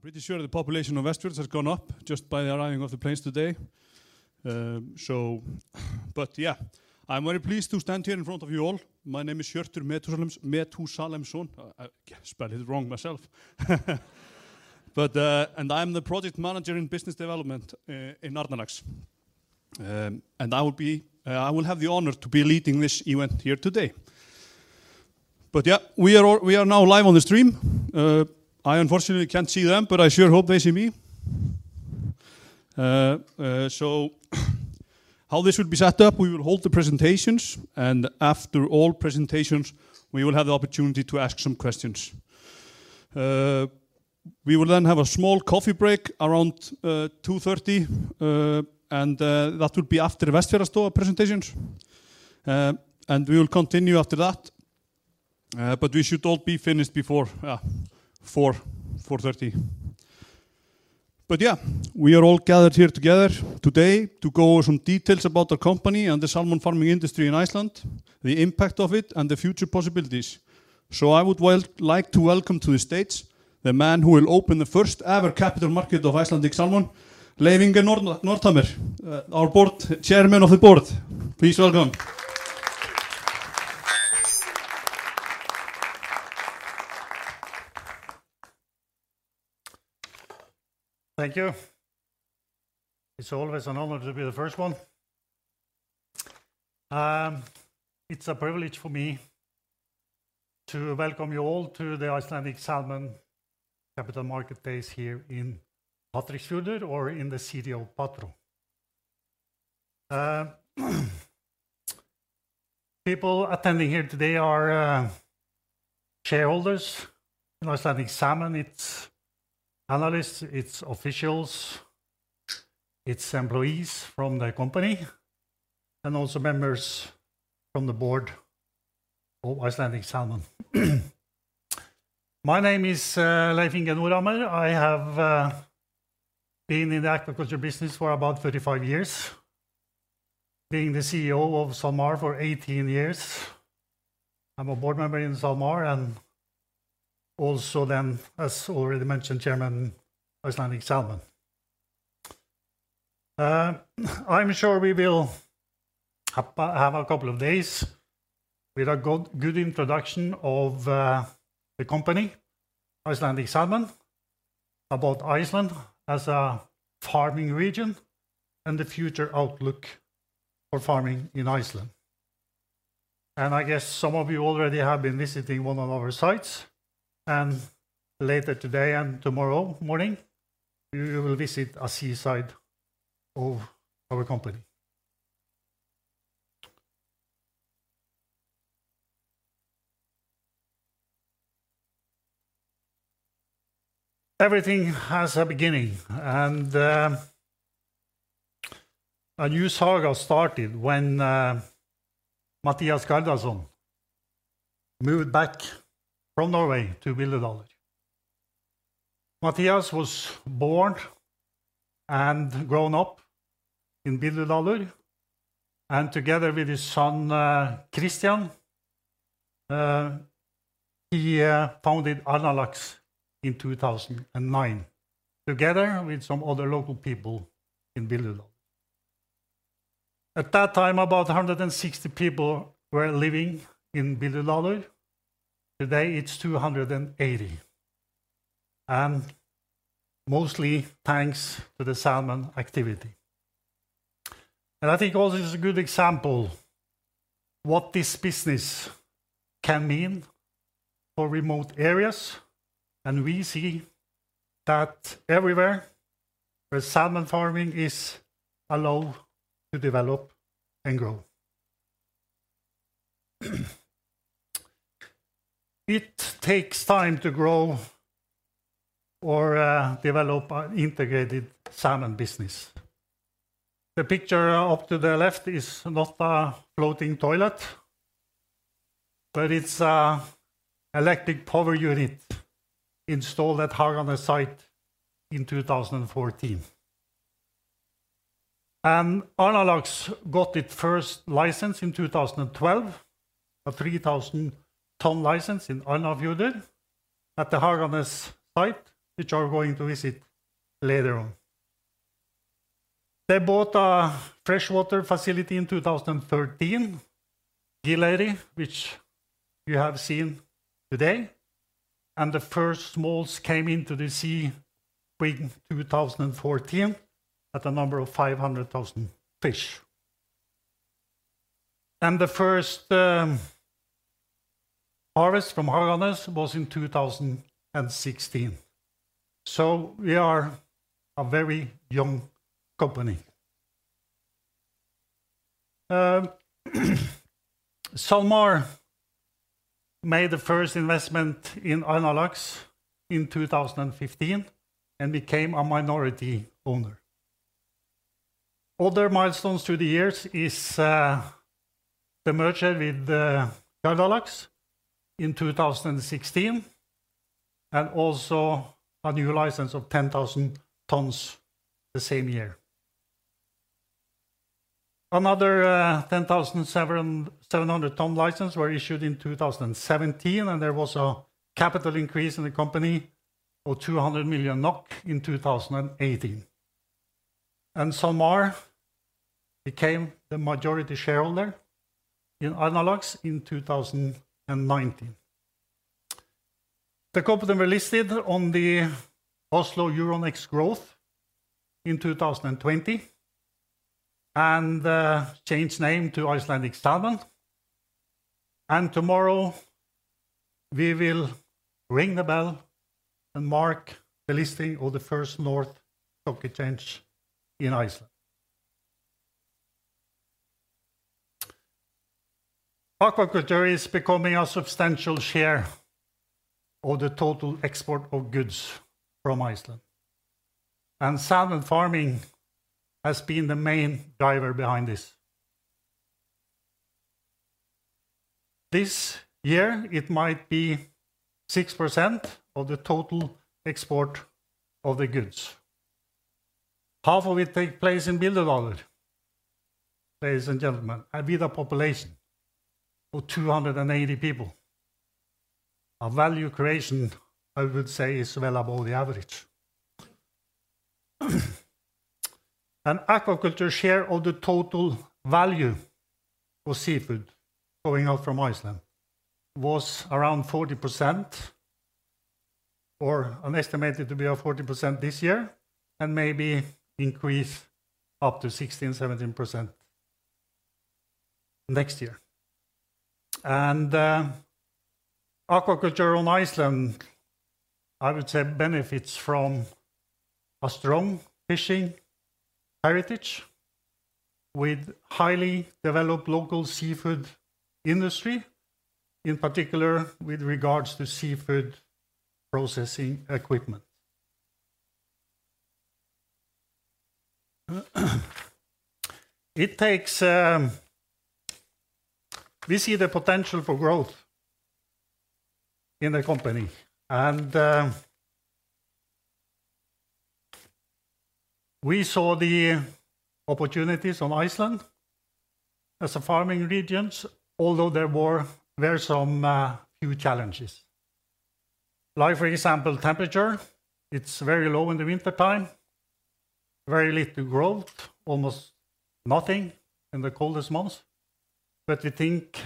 Pretty sure the population of Westfjords has gone up just by the arriving of the planes today. So, but yeah, I'm very pleased to stand here in front of you all. My name is Hjörtur Methúsalemsson. I can't spell it wrong myself. But, and I'm the Project Manager in Business Development in Arnarlax. And I will have the honor to be leading this event here today. But yeah, we are now live on the stream. I unfortunately can't see them, but I sure hope they see me. So, how this will be set up, we will hold the presentations, and after all presentations, we will have the opportunity to ask some questions. We will then have a small coffee break around 2:30, and that will be after Westfjords story presentations. And we will continue after that, but we should all be finished before 4:30. But yeah, we are all gathered here together today to go over some details about our company and the salmon farming industry in Iceland, the impact of it, and the future possibilities. So I would like to welcome to the stage the man who will open the first ever Capital Markets Day of Icelandic Salmon, Leif Inge Nordhammer, our Board Chairman of the Board. Please welcome. Thank you. It's always an honor to be the first one. It's a privilege for me to welcome you all to the Icelandic Salmon Capital Market Days here in Patreksfjörður or in the city of Patreksfjörður. People attending here today are shareholders, Icelandic Salmon, its analysts, its officials, its employees from the company, and also members from the board of Icelandic Salmon. My name is Leif Inge Nordhammer. I have been in the aquaculture business for about 35 years, being the CEO of SalMar for 18 years. I'm a board member in SalMar, and also then, as already mentioned, Chairman, Icelandic Salmon. I'm sure we will have a couple of days with a good, good introduction of the company, Icelandic Salmon, about Iceland as a farming region, and the future outlook for farming in Iceland. I guess some of you already have been visiting one of our sites, and later today and tomorrow morning, you will visit a sea site of our company. Everything has a beginning, and a new saga started when MMatthías Garðarsso moved back from Norway to Bíldudalur. Mathias was born and grown up in Bíldudalur, and together with his son, Kristján, he founded Arnarlax in 2009, together with some other local people in Bíldudalur. At that time, about 160 people were living in Bíldudalur. Today, it's 280, and mostly thanks to the salmon activity. And I think also this is a good example what this business can mean for remote areas, and we see that everywhere where salmon farming is allowed to develop and grow. It takes time to grow or develop an integrated salmon business. The picture up to the left is not a floating toilet, but it's an electric power unit installed at Haganes site in 2014. And Arnarlax got its first license in 2012, a 3,000-ton license in Arnarfjörður, at the Haganes site, which you are going to visit later on. They bought a freshwater facility in 2013, Gileyri, which you have seen today, and the first smolts came into the sea spring 2014, at a number of 500,000 fish. And the first harvest from Haganes was in 2016. So we are a very young company. SalMar made the first investment in Arnarlax in 2015 and became a minority owner. Other milestones through the years are the merger with Fjarðalax in 2016, and also a new license of 10,000 tons the same year. Another 10,700-ton license was issued in 2017, and there was a capital increase in the company of 200 million NOK in 2018. SalMar became the majority shareholder in Arnarlax in 2019. The company was listed on the Euronext Growth Oslo in 2020, and changed name to Icelandic Salmon. Tomorrow, we will ring the bell and mark the listing on the First North Iceland. Aquaculture is becoming a substantial share of the total export of goods from Iceland, and salmon farming has been the main driver behind this. This year, it might be 6% of the total export of the goods. Half of it take place in Bíldudalur, ladies and gentlemen, a vital population of 280 people. A value creation, I would say, is well above the average. Aquaculture share of the total value for seafood going out from Iceland was around 40%, or an estimated to be a 40% this year, and maybe increase up to 16%-17% next year. Aquaculture on Iceland, I would say, benefits from a strong fishing heritage with highly developed local seafood industry, in particular with regards to seafood processing equipment. We see the potential for growth in the company, and we saw the opportunities on Iceland as a farming region, although there were, there are some few challenges. Like, for example, temperature, it's very low in the wintertime, very little growth, almost nothing in the coldest months, but we think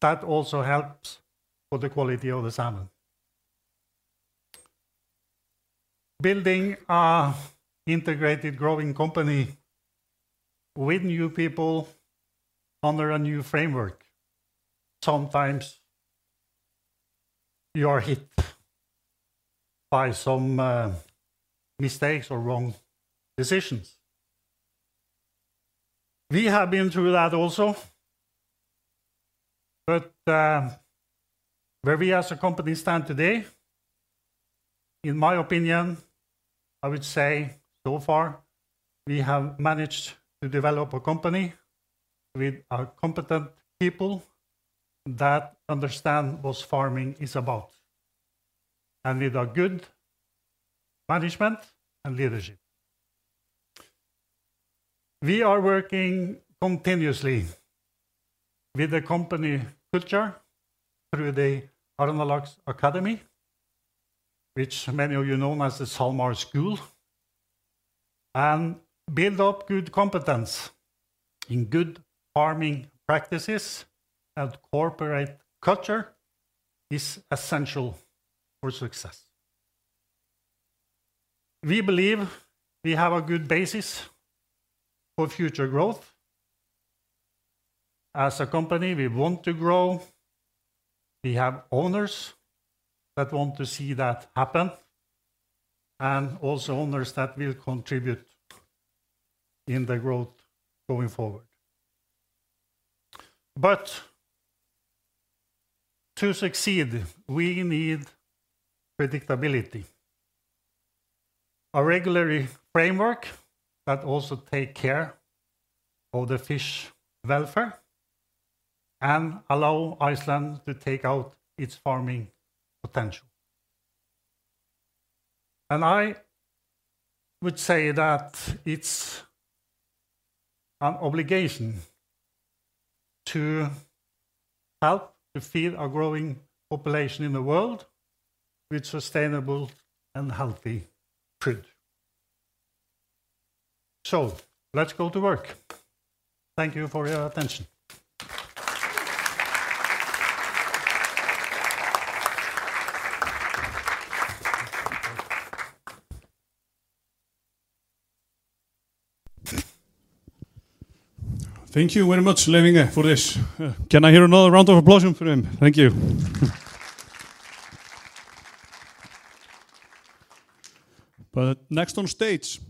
that also helps for the quality of the salmon. Building a integrated growing company with new people under a new framework, sometimes you are hit by some, mistakes or wrong decisions. We have been through that also, but, where we as a company stand today, in my opinion, I would say so far, we have managed to develop a company with, competent people that understand what farming is about, and with a good management and leadership. We are working continuously with the company culture through the Arnarlax Academy, which many of you know as the SalMar School, and build up good competence in good farming practices and corporate culture is essential for success. We believe we have a good basis for future growth. As a company, we want to grow. We have owners that want to see that happen, and also owners that will contribute in the growth going forward. But to succeed, we need predictability, a regulatory framework that also take care of the fish welfare and allow Iceland to take out its farming potential. And I would say that it's an obligation to help to feed a growing population in the world with sustainable and healthy food. So let's go to work. Thank you for your attention. Thank you very much, Leif Inge, for this. Can I hear another round of applause for him? Thank you. But next on stage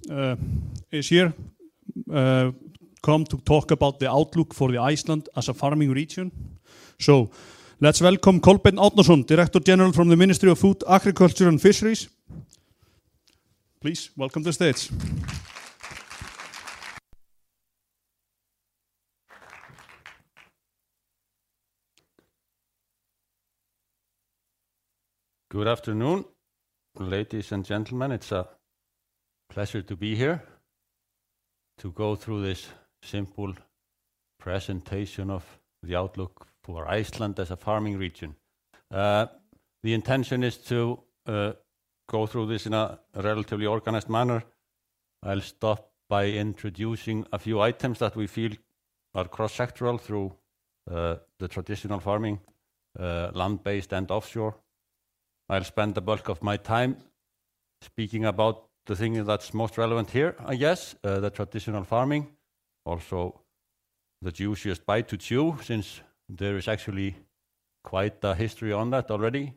is here, come to talk about the outlook for the Iceland as a farming region. So let's welcome Kolbeinn Árnason, Director General from the Ministry of Food, Agriculture and Fisheries. Please welcome to stage. Good afternoon, ladies and gentlemen. It's a pleasure to be here, to go through this simple presentation of the outlook for Iceland as a farming region. The intention is to go through this in a relatively organized manner. I'll start by introducing a few items that we feel are cross-sectoral through the traditional farming, land-based and offshore. I'll spend the bulk of my time speaking about the thing that's most relevant here, I guess, the traditional farming. Also, the juiciest bite to chew, since there is actually quite a history on that already,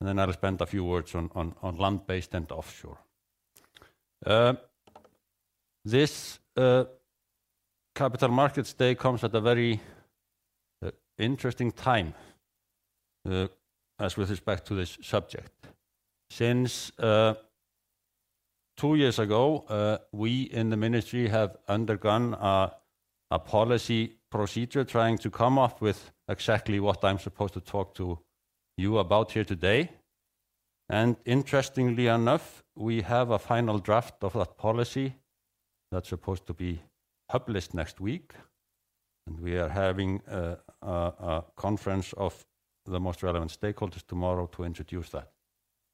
and then I'll spend a few words on land-based and offshore. This Capital Markets Day comes at a very interesting time, as with respect to this subject. Since two years ago, we in the ministry have undergone a policy procedure trying to come up with exactly what I'm supposed to talk to you about here today. And interestingly enough, we have a final draft of that policy that's supposed to be published next week, and we are having a conference of the most relevant stakeholders tomorrow to introduce that.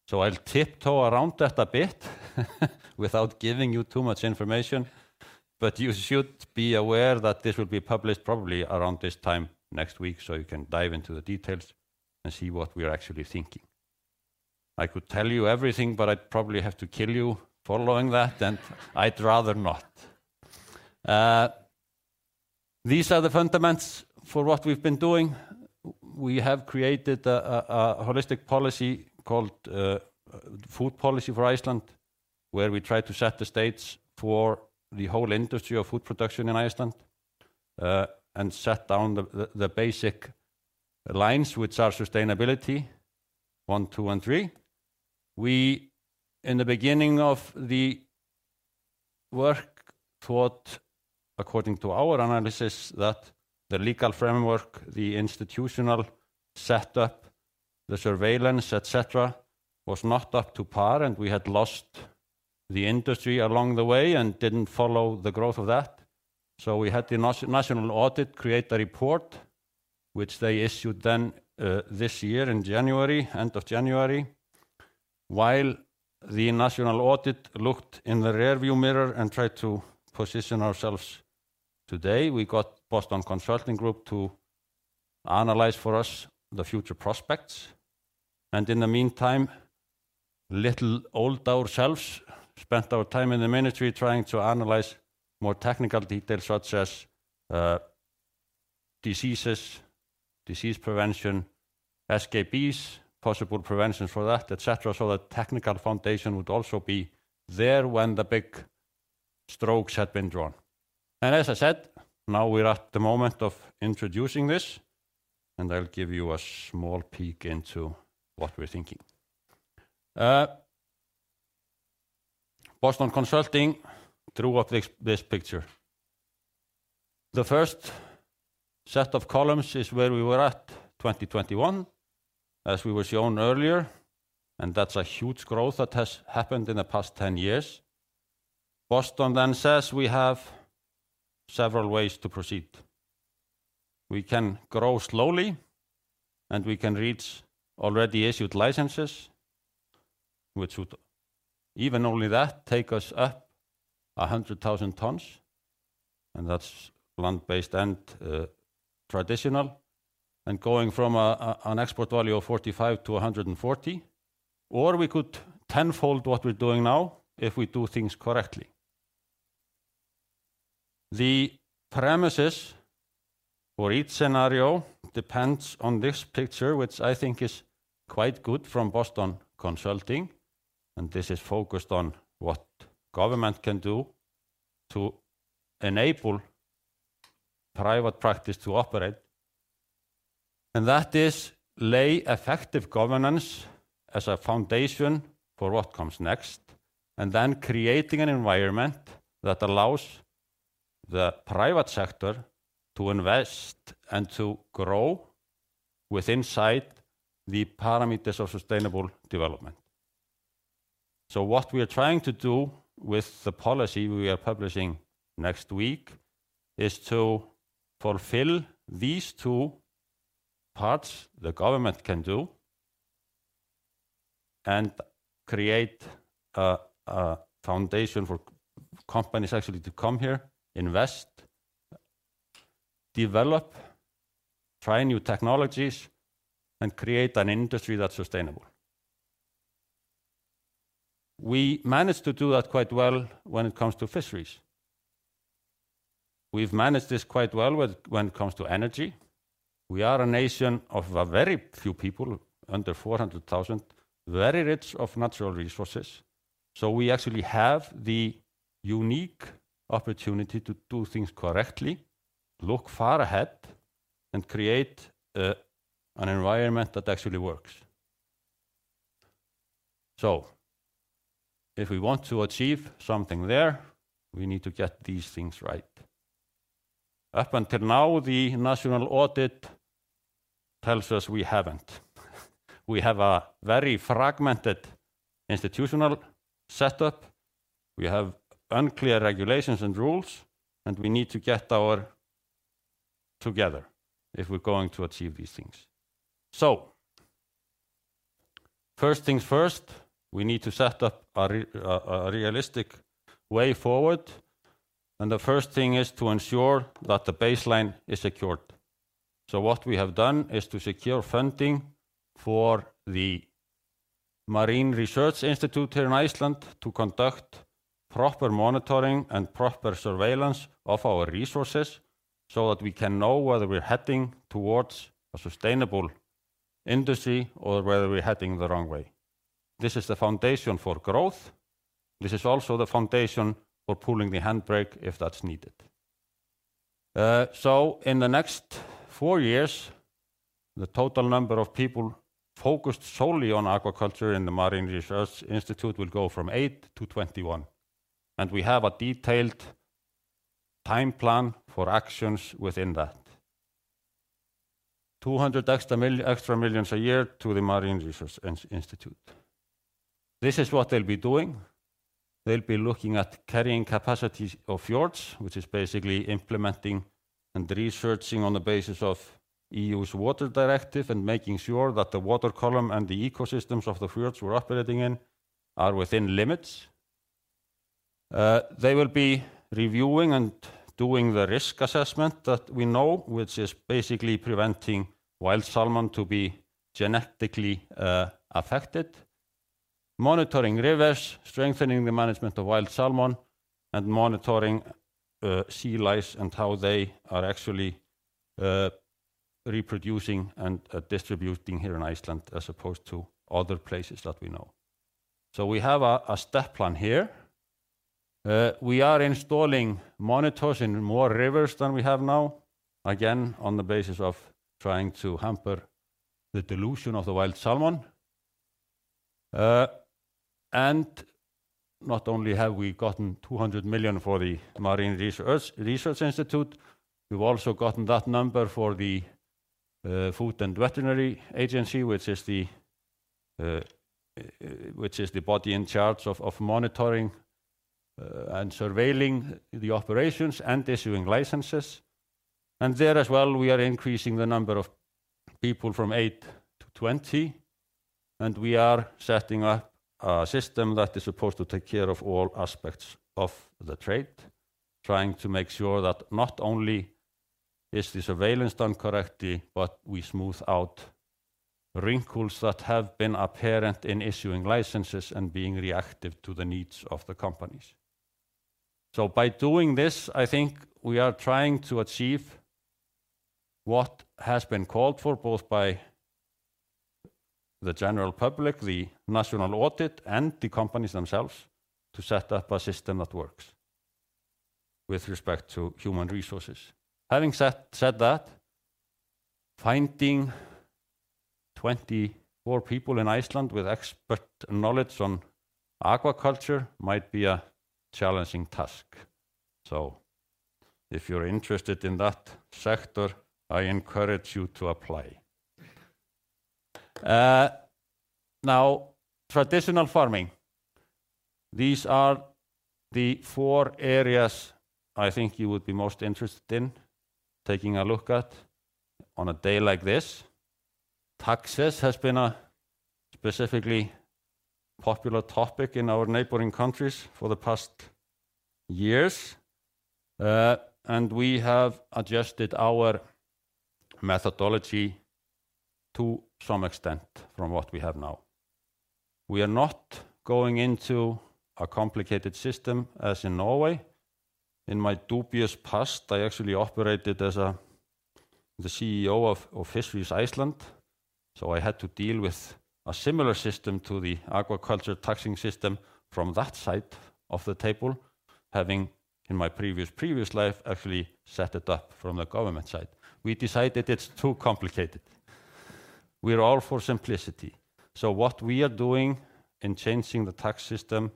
So I'll tiptoe around that a bit without giving you too much information, but you should be aware that this will be published probably around this time next week, so you can dive into the details and see what we are actually thinking. I could tell you everything, but I'd probably have to kill you following that, and I'd rather not. These are the fundamentals for what we've been doing. We have created a holistic policy called Food Policy for Iceland, where we try to set the stage for the whole industry of food production in Iceland, and set down the basic lines, which are sustainability one, two, and three. We, in the beginning of the work, thought, according to our analysis, that the legal framework, the institutional setup, the surveillance, et cetera, was not up to par, and we had lost the industry along the way and didn't follow the growth of that. So we had the National Audit create a report, which they issued then, this year in January, end of January. While the National Audit looked in the rearview mirror and tried to position ourselves today, we got Boston Consulting Group to analyze for us the future prospects. In the meantime, little old ourselves spent our time in the ministry trying to analyze more technical details such as, diseases, disease prevention, escapees, possible preventions for that, et cetera, so the technical foundation would also be there when the big strokes had been drawn. As I said, now we're at the moment of introducing this, and I'll give you a small peek into what we're thinking. Boston Consulting drew up this, this picture. The first set of columns is where we were at 2021, as we were shown earlier, and that's a huge growth that has happened in the past 10 years. Boston then says, we have several ways to proceed. We can grow slowly, and we can reach already issued licenses, which would even only that take us up 100,000 tons, and that's land-based and traditional, and going from an export value of 45-140. Or we could tenfold what we're doing now if we do things correctly. The premises for each scenario depends on this picture, which I think is quite good from Boston Consulting, and this is focused on what government can do to enable private practice to operate. And that is lay effective governance as a foundation for what comes next, and then creating an environment that allows the private sector to invest and to grow within inside the parameters of sustainable development. So what we are trying to do with the policy we are publishing next week is to fulfill these two parts the government can do and create a foundation for companies actually to come here, invest, develop, try new technologies, and create an industry that's sustainable. We managed to do that quite well when it comes to fisheries. We've managed this quite well with when it comes to energy. We are a nation of a very few people, under 400,000, very rich of natural resources, so we actually have the unique opportunity to do things correctly, look far ahead, and create an environment that actually works. So if we want to achieve something there, we need to get these things right.... Up until now, the National Audit tells us we haven't. We have a very fragmented institutional setup, we have unclear regulations and rules, and we need to get our act together if we're going to achieve these things. So, first things first, we need to set up a realistic way forward, and the first thing is to ensure that the baseline is secured. So what we have done is to secure funding for the Marine Research Institute here in Iceland to conduct proper monitoring and proper surveillance of our resources, so that we can know whether we're heading towards a sustainable industry or whether we're heading the wrong way. This is the foundation for growth. This is also the foundation for pulling the handbrake, if that's needed. So in the next four years, the total number of people focused solely on aquaculture in the Marine Research Institute will go from 8 to 21, and we have a detailed time plan for actions within that. 200 million a year to the Marine Research Institute. This is what they'll be doing: They'll be looking at carrying capacities of fjords, which is basically implementing and researching on the basis of EU Water Directive, and making sure that the water column and the ecosystems of the fjords we're operating in are within limits. They will be reviewing and doing the risk assessment that we know, which is basically preventing wild salmon to be genetically affected. Monitoring rivers, strengthening the management of wild salmon, and monitoring, actually, sea lice and how they are actually reproducing and distributing here in Iceland, as opposed to other places that we know. So we have a step plan here. We are installing monitors in more rivers than we have now, again, on the basis of trying to hamper the dilution of the wild salmon. And not only have we gotten 200 million for the Marine Research Institute, we've also gotten that number for the Food and Veterinary Agency, which is the body in charge of monitoring and surveilling the operations and issuing licenses. And there as well, we are increasing the number of people from 8 to 20, and we are setting up a system that is supposed to take care of all aspects of the trade, trying to make sure that not only is the surveillance done correctly, but we smooth out wrinkles that have been apparent in issuing licenses and being reactive to the needs of the companies. So by doing this, I think we are trying to achieve what has been called for, both by the general public, the National Audit, and the companies themselves, to set up a system that works with respect to human resources. Having said that, finding 24 people in Iceland with expert knowledge on aquaculture might be a challenging task. So if you're interested in that sector, I encourage you to apply. Now, traditional farming, these are the four areas I think you would be most interested in taking a look at on a day like this. Taxes has been a specifically popular topic in our neighboring countries for the past years, and we have adjusted our methodology to some extent from what we have now. We are not going into a complicated system as in Norway. In my dubious past, I actually operated as the CEO of Fisheries Iceland, so I had to deal with a similar system to the aquaculture taxing system from that side of the table, having, in my previous life, actually set it up from the government side. We decided it's too complicated. We're all for simplicity. So what we are doing in changing the tax system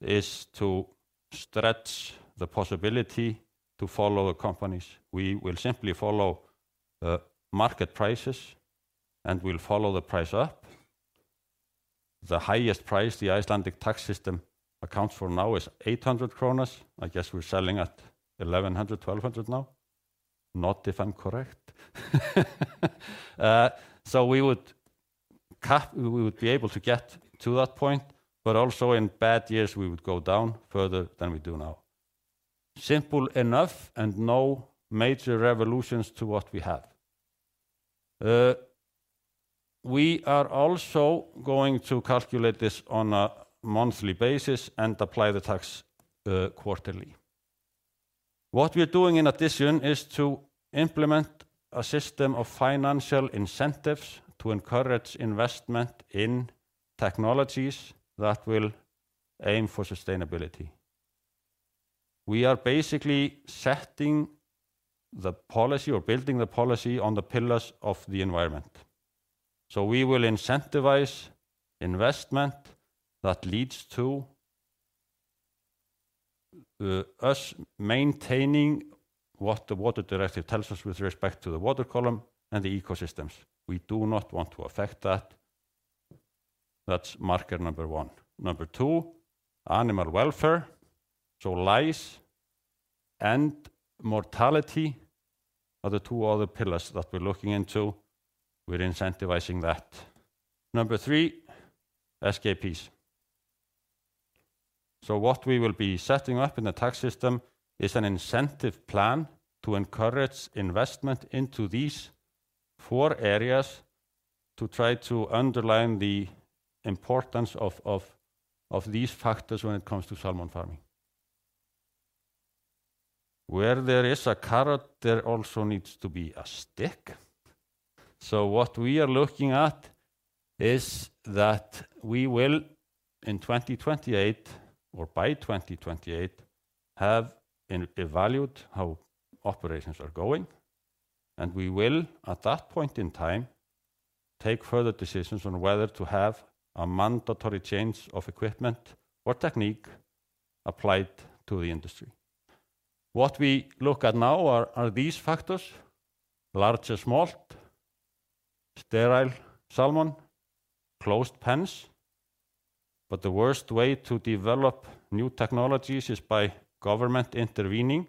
is to stretch the possibility to follow the companies. We will simply follow market prices, and we'll follow the price up. The highest price the Icelandic tax system accounts for now is 800 kronur króna. I guess we're selling at 1,100-1,200 now. Not if I'm correct. So we would be able to get to that point, but also in bad years, we would go down further than we do now. Simple enough, and no major revolutions to what we have. We are also going to calculate this on a monthly basis and apply the tax quarterly. What we are doing in addition is to implement a system of financial incentives to encourage investment in technologies that will aim for sustainability. We are basically setting the policy or building the policy on the pillars of the environment.... So we will incentivize investment that leads to us maintaining what the Water Directive tells us with respect to the water column and the ecosystems. We do not want to affect that. That's marker number one. Number two, animal welfare. So lice and mortality are the two other pillars that we're looking into. We're incentivizing that. Number three, SKPs. So what we will be setting up in the tax system is an incentive plan to encourage investment into these four areas to try to underline the importance of, of, of these factors when it comes to salmon farming. Where there is a carrot, there also needs to be a stick. So what we are looking at is that we will, in 2028 or by 2028, have evaluated how operations are going, and we will, at that point in time, take further decisions on whether to have a mandatory change of equipment or technique applied to the industry. What we look at now are these factors: large or small, sterile salmon, closed pens. But the worst way to develop new technologies is by government intervening,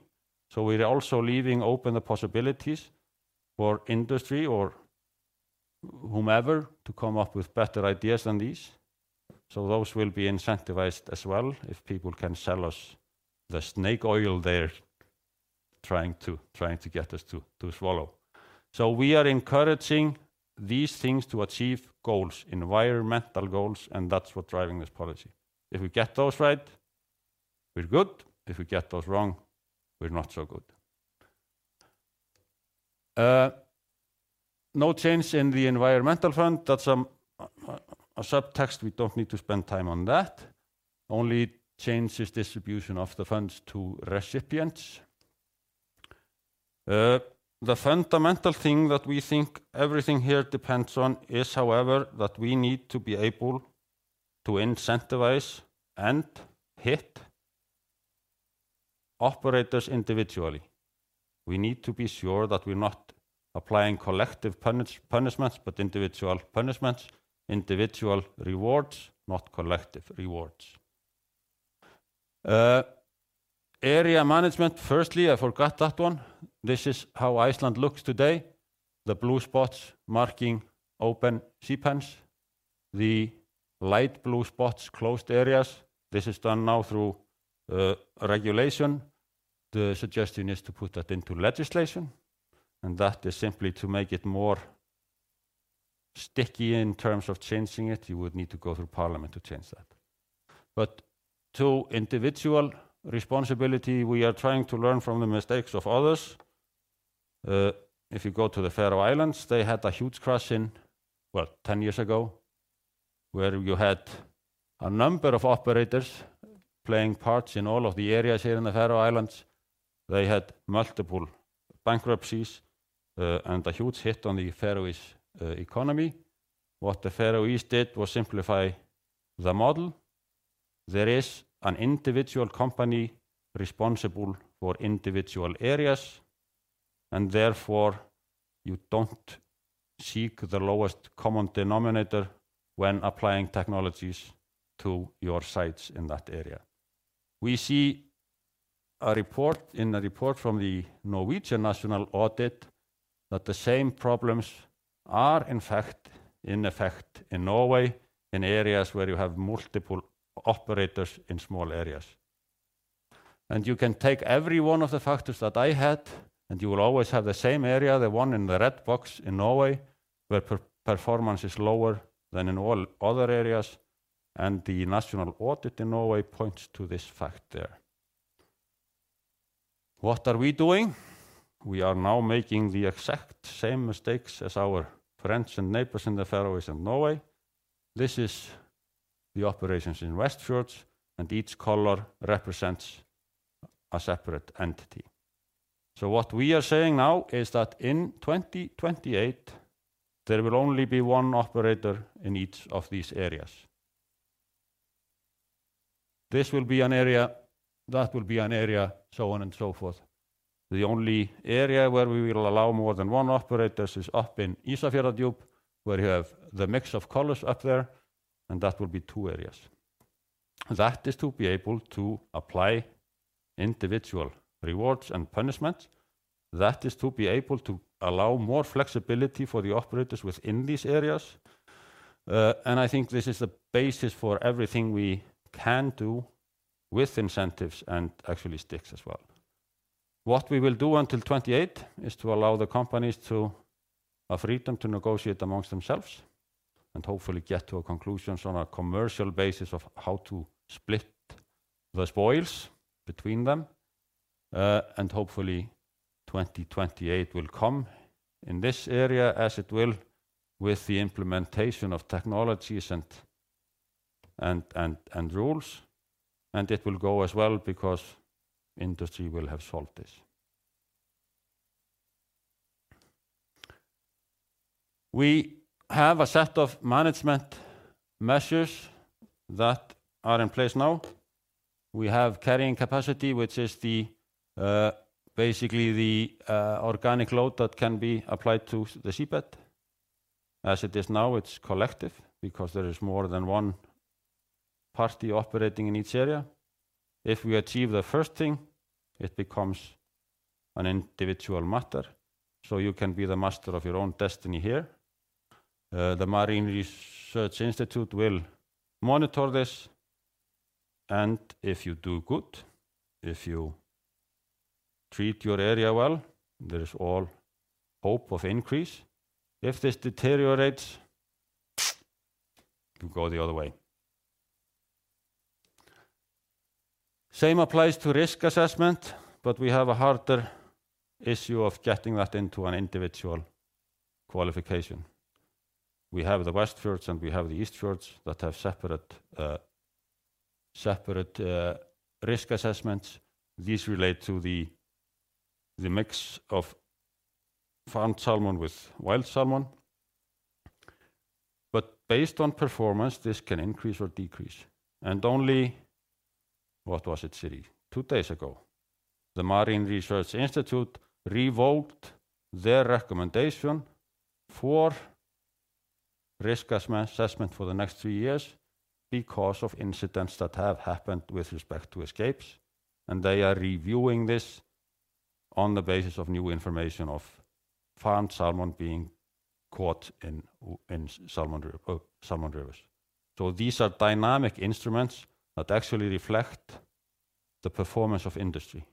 so we're also leaving open the possibilities for industry or whomever to come up with better ideas than these. So those will be incentivized as well if people can sell us the snake oil they're trying to get us to swallow. So we are encouraging these things to achieve goals, environmental goals, and that's what's driving this policy. If we get those right, we're good. If we get those wrong, we're not so good. No change in the environmental fund. That's a subtext. We don't need to spend time on that. Only changes distribution of the funds to recipients. The fundamental thing that we think everything here depends on is, however, that we need to be able to incentivize and hit operators individually. We need to be sure that we're not applying collective punishments, but individual punishments, individual rewards, not collective rewards. Area management, firstly, I forgot that one. This is how Iceland looks today. The blue spots marking open sea pens, the light blue spots, closed areas. This is done now through regulation. The suggestion is to put that into legislation, and that is simply to make it more sticky in terms of changing it. You would need to go through Parliament to change that. But to individual responsibility, we are trying to learn from the mistakes of others. If you go to the Faroe Islands, they had a huge crash in, well, 10 years ago, where you had a number of operators playing parts in all of the areas here in the Faroe Islands. They had multiple bankruptcies, and a huge hit on the Faroese economy. What the Faroese did was simplify the model. There is an individual company responsible for individual areas, and therefore, you don't seek the lowest common denominator when applying technologies to your sites in that area. In a report from the Norwegian National Audit, the same problems are, in fact, in effect in Norway, in areas where you have multiple operators in small areas. You can take every one of the factors that I had, and you will always have the same area, the one in the red box in Norway, where performance is lower than in all other areas, and the national audit in Norway points to this fact there. What are we doing? We are now making the exact same mistakes as our friends and neighbors in the Faroese and Norway. This is the operations in Westfjords, and each color represents a separate entity. So what we are saying now is that in 2028, there will only be one operator in each of these areas. This will be an area, that will be an area, so on and so forth. The only area where we will allow more than one operators is up in Ísafjarðardjúp, where you have the mix of colors up there, and that will be two areas. That is to be able to apply individual rewards and punishments. That is to be able to allow more flexibility for the operators within these areas. And I think this is the basis for everything we can do with incentives and actually sticks as well. What we will do until 2028 is to allow the companies to have freedom to negotiate among themselves, and hopefully get to a conclusion on a commercial basis of how to split the spoils between them. And hopefully, 2028 will come in this area, as it will with the implementation of technologies and rules, and it will go as well because industry will have solved this. We have a set of management measures that are in place now. We have carrying capacity, which is the basically the organic load that can be applied to the seabed. As it is now, it's collective because there is more than one party operating in each area. If we achieve the first thing, it becomes an individual matter, so you can be the master of your own destiny here. The Marine Research Institute will monitor this, and if you do good, if you treat your area well, there is all hope of increase. If this deteriorates, you go the other way. Same applies to risk assessment, but we have a harder issue of getting that into an individual qualification. We have the West Fjords, and we have the East Fjords that have separate separate risk assessments. These relate to the mix of farmed salmon with wild salmon. But based on performance, this can increase or decrease, and only, what was it, Sirrý? Two days ago, the Marine Research Institute revoked their recommendation for risk assessment for the next three years because of incidents that have happened with respect to escapes, and they are reviewing this on the basis of new information of farmed salmon being caught in salmon rivers. So these are dynamic instruments that actually reflect the performance of industry.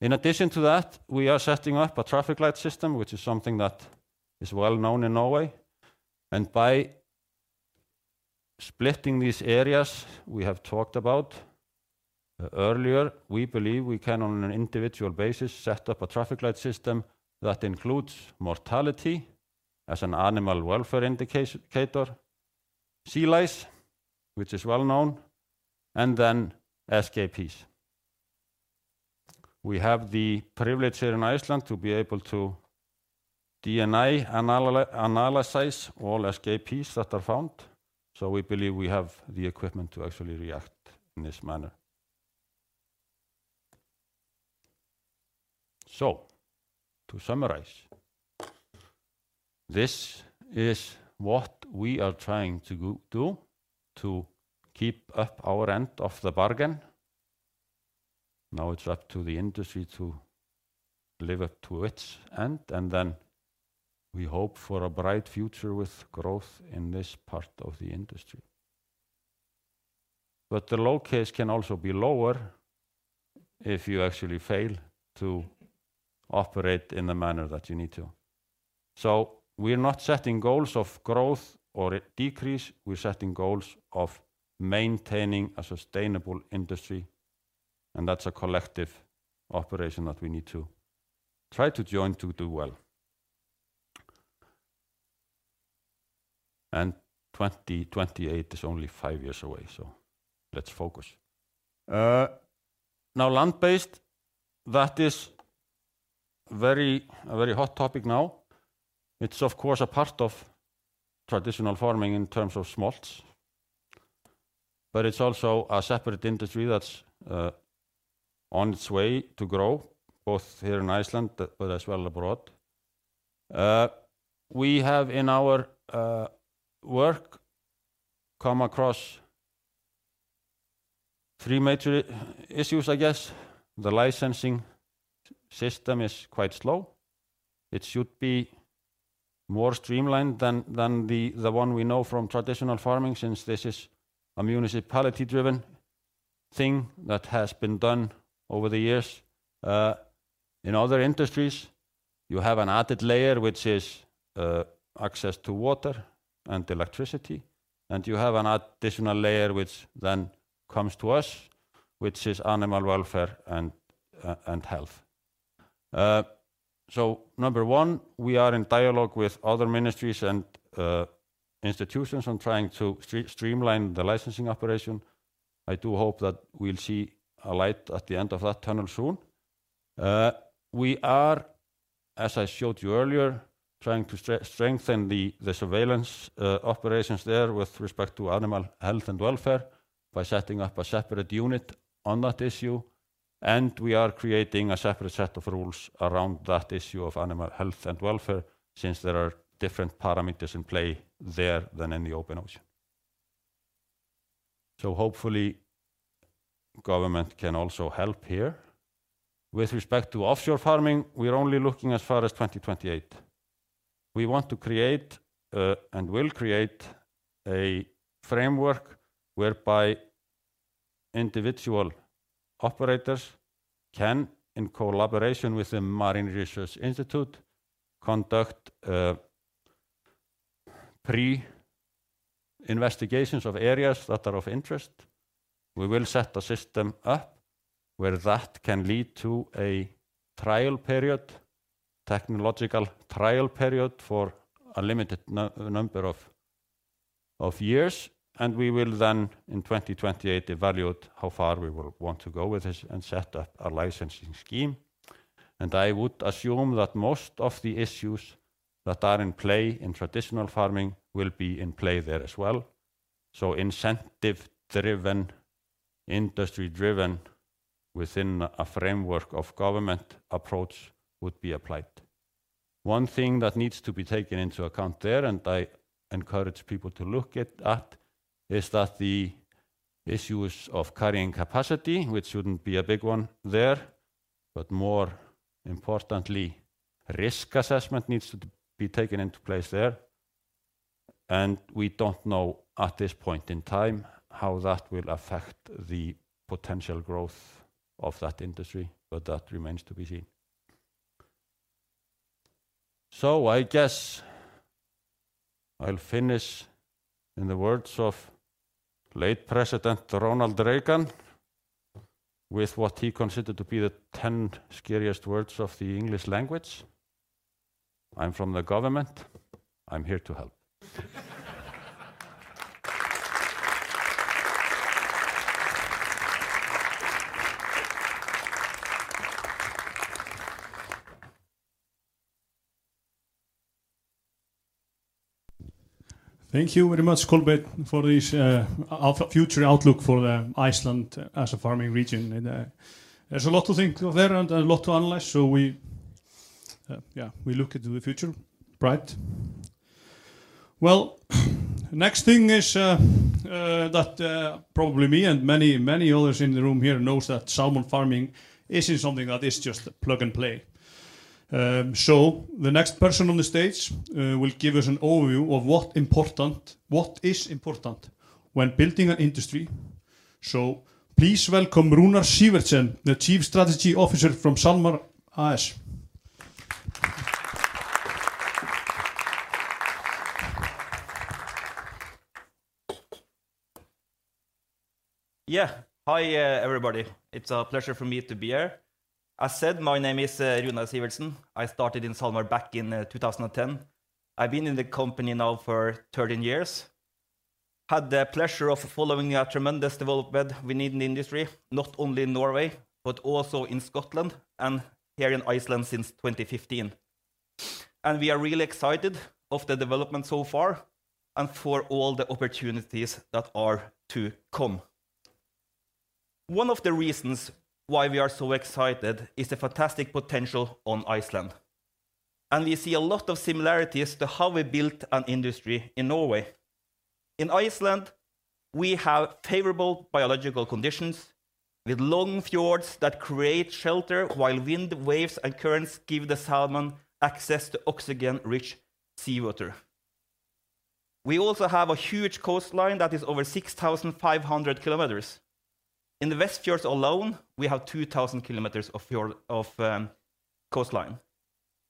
In addition to that, we are setting up a traffic light system, which is something that is well known in Norway. By splitting these areas we have talked about earlier, we believe we can, on an individual basis, set up a traffic light system that includes mortality as an animal welfare indicator, sea lice, which is well known, and then escapees. We have the privilege here in Iceland to be able to DNA analyze all escapees that are found, so we believe we have the equipment to actually react in this manner. So, to summarize, this is what we are trying to go do to keep up our end of the bargain. Now it's up to the industry to live up to its end, and then we hope for a bright future with growth in this part of the industry. But the low case can also be lower if you actually fail to operate in the manner that you need to. So we're not setting goals of growth or a decrease, we're setting goals of maintaining a sustainable industry, and that's a collective operation that we need to try to join to do well. And 2028 is only five years away, so let's focus. Now, land-based, that is very... a very hot topic now. It's of course, a part of traditional farming in terms of smolts, but it's also a separate industry that's on its way to grow, both here in Iceland, but as well abroad. We have, in our work, come across three major issues, I guess. The licensing system is quite slow. It should be more streamlined than the one we know from traditional farming, since this is a municipality-driven thing that has been done over the years. In other industries, you have an added layer, which is access to water and electricity, and you have an additional layer, which then comes to us, which is animal welfare and health. So number one, we are in dialogue with other ministries and institutions on trying to streamline the licensing operation. I do hope that we'll see a light at the end of that tunnel soon. We are, as I showed you earlier, trying to strengthen the surveillance operations there with respect to animal health and welfare by setting up a separate unit on that issue, and we are creating a separate set of rules around that issue of animal health and welfare, since there are different parameters in play there than in the open ocean. So hopefully, government can also help here. With respect to offshore farming, we're only looking as far as 2028. We want to create, and will create a framework whereby individual operators can, in collaboration with the Marine Research Institute, conduct pre-investigations of areas that are of interest. We will set a system up where that can lead to a trial period, technological trial period for a limited number of years, and we will then, in 2028, evaluate how far we will want to go with this and set up a licensing scheme. And I would assume that most of the issues that are in play in traditional farming will be in play there as well. So incentive-driven, industry-driven, within a framework of government approach would be applied. One thing that needs to be taken into account there, and I encourage people to look at, is that the issues of carrying capacity, which shouldn't be a big one there, but more importantly, risk assessment needs to be taken into place there. We don't know at this point in time how that will affect the potential growth of that industry, but that remains to be seen. So I guess I'll finish in the words of late President Ronald Reagan, with what he considered to be the ten scariest words of the English language: "I'm from the government, I'm here to help. Thank you very much, Kolbeinn, for this of future outlook for Iceland as a farming region, and there's a lot to think there and a lot to analyze, so yeah, we look into the future, right. Well, next thing is that probably me and many, many others in the room here knows that salmon farming isn't something that is just plug and play. So the next person on the stage will give us an overview of what important- what is important when building an industry. So please welcome Runar Sivertsen, the Chief Strategy Officer from SalMar ASA. Yeah. Hi, everybody. It's a pleasure for me to be here. As said, my name is Runar Sivertsen. I started in SalMar back in 2010. I've been in the company now for 13 years. Had the pleasure of following a tremendous development we need in the industry, not only in Norway, but also in Scotland and here in Iceland since 2015. And we are really excited of the development so far, and for all the opportunities that are to come. One of the reasons why we are so excited is the fantastic potential on Iceland, and we see a lot of similarities to how we built an industry in Norway. In Iceland, we have favorable biological conditions, with long fjords that create shelter while wind, waves, and currents give the salmon access to oxygen-rich seawater. We also have a huge coastline that is over 6,500 kilometers. In the Westfjords alone, we have 2,000 kilometers of fjord coastline.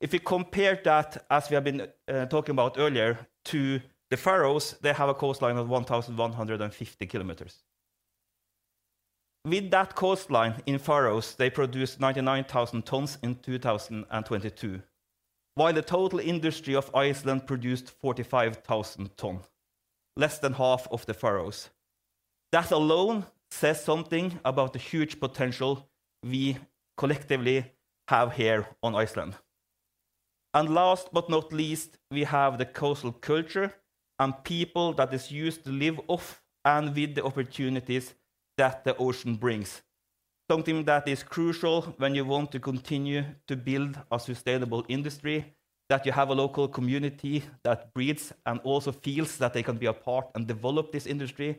If you compare that, as we have been talking about earlier, to the Faroes, they have a coastline of 1,150 kilometers. With that coastline in Faroes, they produced 99,000 tons in 2022, while the total industry of Iceland produced 45,000 tons, less than half of the Faroes. That alone says something about the huge potential we collectively have here on Iceland. And last but not least, we have the coastal culture and people that is used to live off and with the opportunities that the ocean brings. Something that is crucial when you want to continue to build a sustainable industry, that you have a local community that breathes and also feels that they can be a part and develop this industry,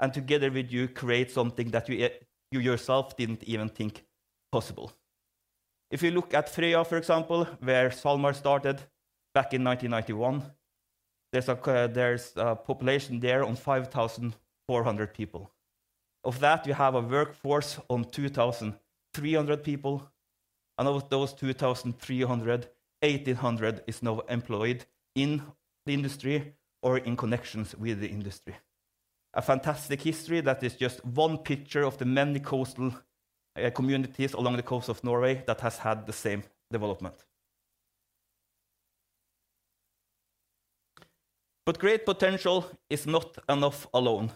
and together with you, create something that you yourself didn't even think possible. If you look at Frøya, for example, where SalMar started back in 1991, there's a population there on 5,400 people. Of that, you have a workforce on 2,300 people, and of those 2,300, 1,800 is now employed in the industry or in connections with the industry. A fantastic history that is just one picture of the many coastal communities along the coast of Norway that has had the same development. But great potential is not enough alone.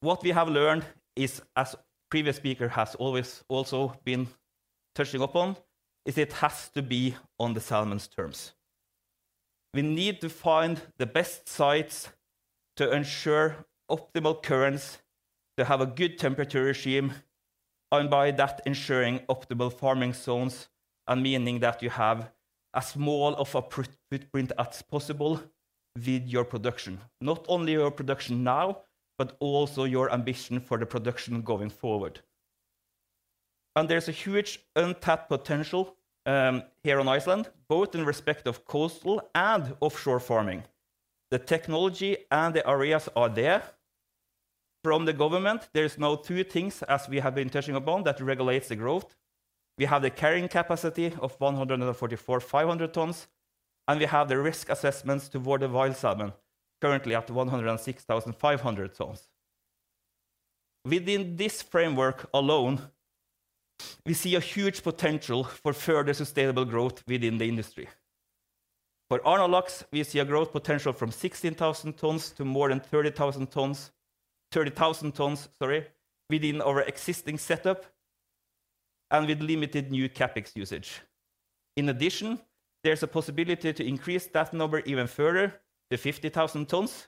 What we have learned is, as previous speaker has always also been touching upon, is it has to be on the salmon's terms. We need to find the best sites to ensure optimal currents, to have a good temperature regime, and by that, ensuring optimal farming zones, and meaning that you have as small of a footprint as possible with your production. Not only your production now, but also your ambition for the production going forward. There's a huge untapped potential here on Iceland, both in respect of coastal and offshore farming. The technology and the areas are there. From the government, there is now two things, as we have been touching upon, that regulates the growth. We have the carrying capacity of 144,500 tons, and we have the risk assessments toward the wild salmon, currently at 106,500 tons. Within this framework alone, we see a huge potential for further sustainable growth within the industry. For Arnarlax, we see a growth potential from 16,000 tons to more than 30,000 tons, 30,000 tons, sorry, within our existing setup and with limited new CapEx usage. In addition, there's a possibility to increase that number even further to 50,000 tons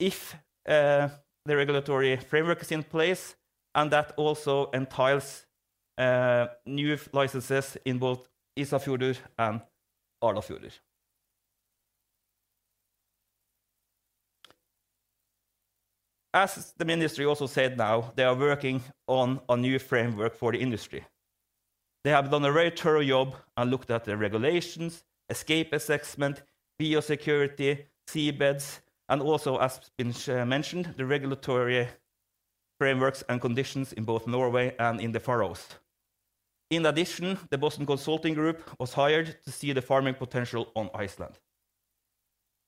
if the regulatory framework is in place, and that also entails new licenses in both Ísafjörður and Arnarfjörður. As the ministry also said now, they are working on a new framework for the industry. They have done a very thorough job and looked at the regulations, escape assessment, biosecurity, seabeds, and also, as has been mentioned, the regulatory frameworks and conditions in both Norway and in the Far East. In addition, the Boston Consulting Group was hired to see the farming potential on Iceland.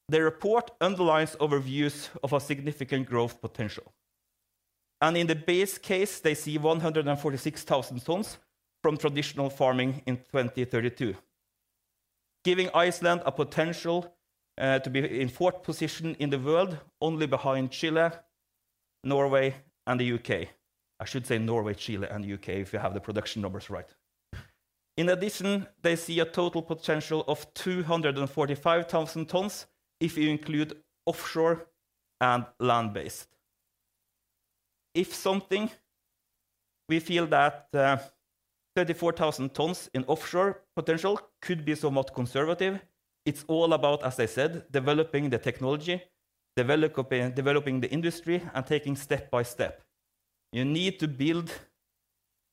Their report underlines overviews of a significant growth potential, and in the base case, they see 146,000 tons from traditional farming in 2032, giving Iceland a potential to be in fourth position in the world, only behind Chile, Norway, and the UK. I should say Norway, Chile, and UK, if you have the production numbers right. In addition, they see a total potential of 245,000 tons if you include offshore and land-based. If something, we feel that 34,000 tons in offshore potential could be somewhat conservative. It's all about, as I said, developing the technology, developing the industry, and taking step by step. You need to build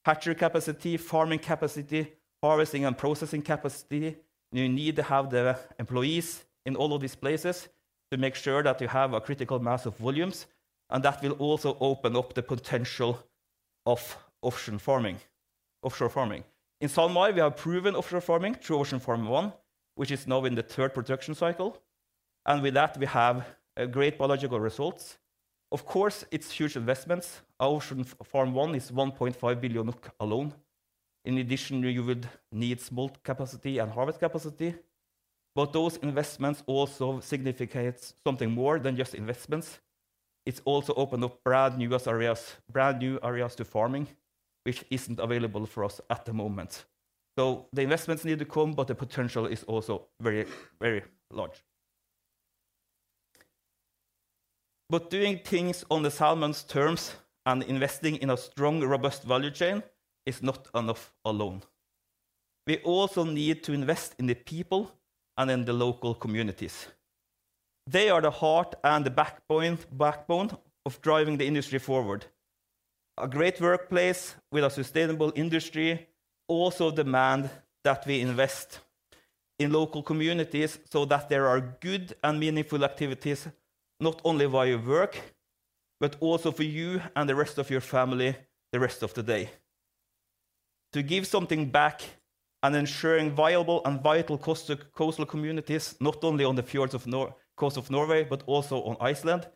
hatchery capacity, farming capacity, harvesting and processing capacity. You need to have the employees in all of these places to make sure that you have a critical mass of volumes, and that will also open up the potential of offshore farming, offshore farming. In SalMar, we have proven offshore farming through Ocean Farm 1, which is now in the third production cycle, and with that, we have great biological results. Of course, it's huge investments. Ocean Farm 1 is $1.5 billion alone. In addition, you would need smolt capacity and harvest capacity, but those investments also signifies something more than just investments. It's also opened up brand new areas, brand new areas to farming, which isn't available for us at the moment. So the investments need to come, but the potential is also very, very large. But doing things on the salmon's terms and investing in a strong, robust value chain is not enough alone. We also need to invest in the people and in the local communities. They are the heart and the backbone of driving the industry forward. A great workplace with a sustainable industry also demand that we invest in local communities so that there are good and meaningful activities, not only via work, but also for you and the rest of your family, the rest of the day. To give something back and ensuring viable and vital coastal communities, not only on the fjords of the north coast of Norway, but also on Iceland,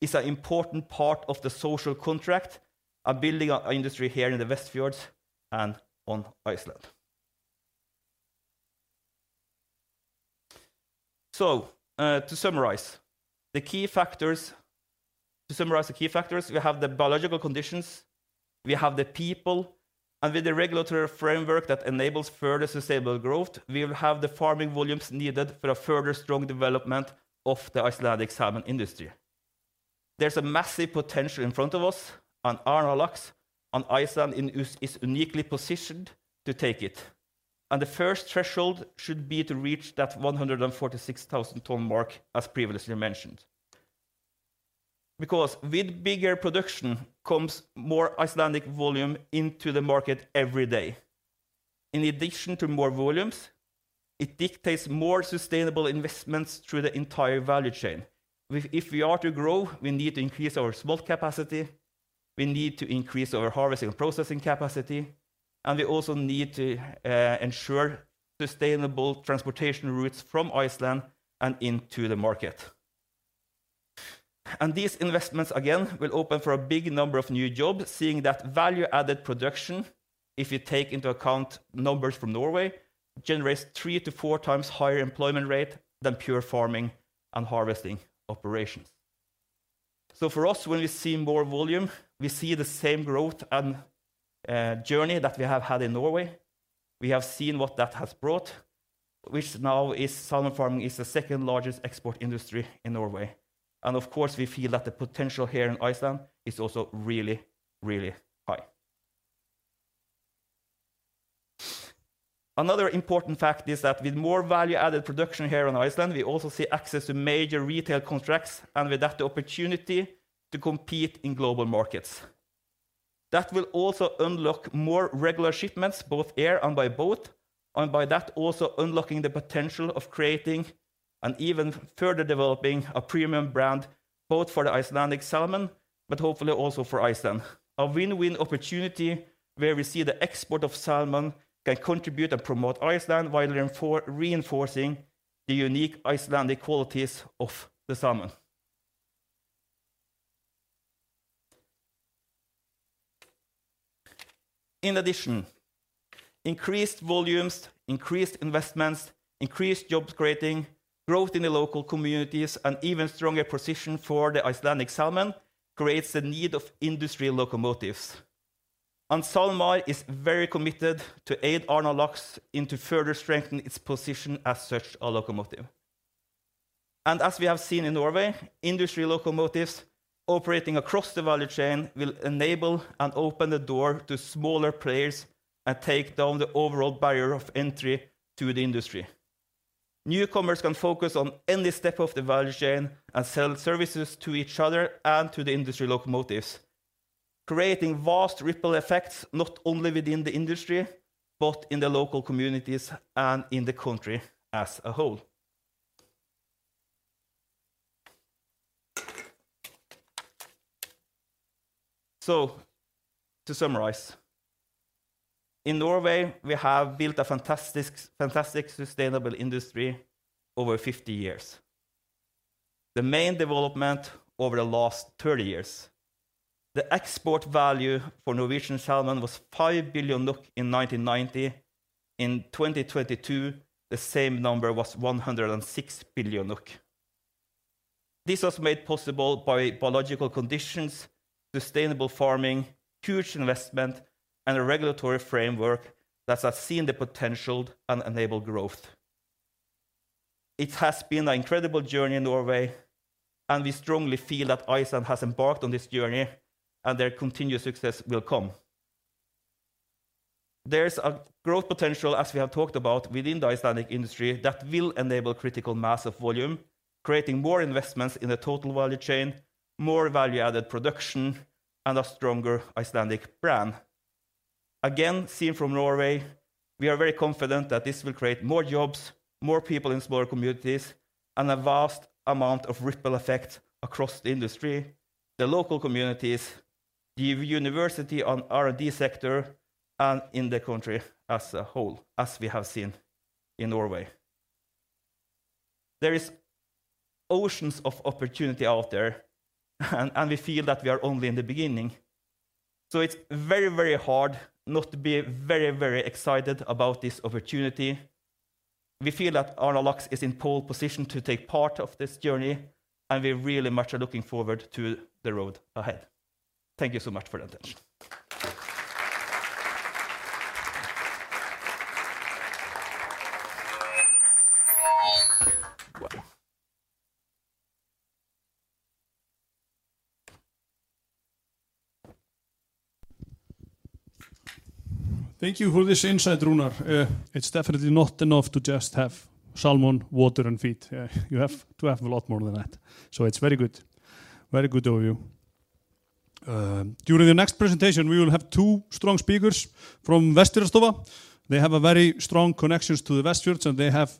is an important part of the social contract and building our industry here in the Westfjords and on Iceland. So, to summarize. To summarize the key factors, we have the biological conditions, we have the people, and with the regulatory framework that enables further sustainable growth, we will have the farming volumes needed for a further strong development of the Icelandic salmon industry. There's a massive potential in front of us, and Arnarlax on Iceland is, is uniquely positioned to take it, and the first threshold should be to reach that 146,000-ton mark, as previously mentioned. Because with bigger production comes more Icelandic volume into the market every day. In addition to more volumes, it dictates more sustainable investments through the entire value chain. If we are to grow, we need to increase our smolt capacity, we need to increase our harvesting and processing capacity, and we also need to ensure sustainable transportation routes from Iceland and into the market. And these investments, again, will open for a big number of new jobs, seeing that value-added production, if you take into account numbers from Norway, generates 3-4 times higher employment rate than pure farming and harvesting operations. So for us, when we see more volume, we see the same growth and journey that we have had in Norway. We have seen what that has brought, which now is salmon farming is the second largest export industry in Norway. And of course, we feel that the potential here in Iceland is also really, really high. Another important fact is that with more value-added production here on Iceland, we also see access to major retail contracts, and with that, the opportunity to compete in global markets. That will also unlock more regular shipments, both air and by boat, and by that, also unlocking the potential of creating and even further developing a premium brand, both for the Icelandic salmon, but hopefully also for Iceland. A win-win opportunity where we see the export of salmon can contribute and promote Iceland while reinforcing the unique Icelandic qualities of the salmon. In addition, increased volumes, increased investments, increased jobs creating, growth in the local communities, and even stronger position for the Icelandic salmon, creates the need of industry locomotives. And SalMar is very committed to aid Arnarlax into further strengthen its position as such a locomotive. As we have seen in Norway, industry locomotives operating across the value chain will enable and open the door to smaller players, and take down the overall barrier of entry to the industry. Newcomers can focus on any step of the value chain and sell services to each other and to the industry locomotives, creating vast ripple effects, not only within the industry, but in the local communities and in the country as a whole. So to summarize, in Norway, we have built a fantastic, fantastic sustainable industry over 50 years. The main development over the last 30 years, the export value for Norwegian salmon was 5 billion NOK in 1990. In 2022, the same number was 106 billion NOK. This was made possible by biological conditions, sustainable farming, huge investment, and a regulatory framework that has seen the potential and enabled growth. It has been an incredible journey in Norway, and we strongly feel that Iceland has embarked on this journey, and their continued success will come. There's a growth potential, as we have talked about, within the Icelandic industry, that will enable critical mass of volume, creating more investments in the total value chain, more value-added production, and a stronger Icelandic brand. Again, seen from Norway, we are very confident that this will create more jobs, more people in smaller communities, and a vast amount of ripple effect across the industry, the local communities, the university on R&D sector, and in the country as a whole, as we have seen in Norway. There is oceans of opportunity out there, and we feel that we are only in the beginning. So it's very, very hard not to be very, very excited about this opportunity. We feel that Arnarlax is in pole position to take part of this journey, and we really much are looking forward to the road ahead. Thank you so much for your attention. Thank you for this insight, Runar. It's definitely not enough to just have salmon, water, and feed. You have to have a lot more than that. It's very good, very good overview. During the next presentation, we will have two strong speakers from Vestfjarðastofa. They have a very strong connections to the Westfjords, and they have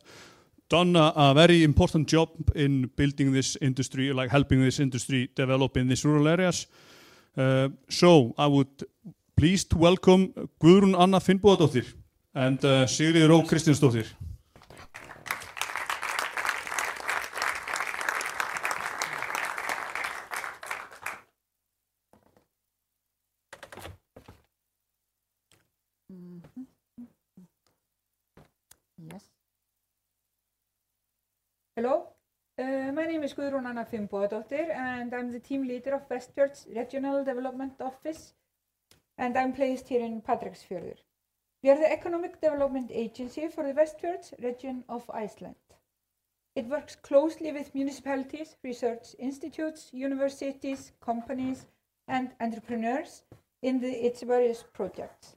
done a very important job in building this industry, like helping this industry develop in these rural areas. So I would pleased to welcome Guðrún Anna Finnbogadóttir and Sigríður Ó. Kristjánsdóttir. Mm-hmm. Yes. Hello, my name is Guðrún Anna Finnbogadóttir, and I'm the team leader of Westfjords Regional Development Office, and I'm placed here in Patreksfjörður. We are the economic development agency for the Westfjords region of Iceland. We work closely with municipalities, research institutes, universities, companies, and entrepreneurs in its various projects,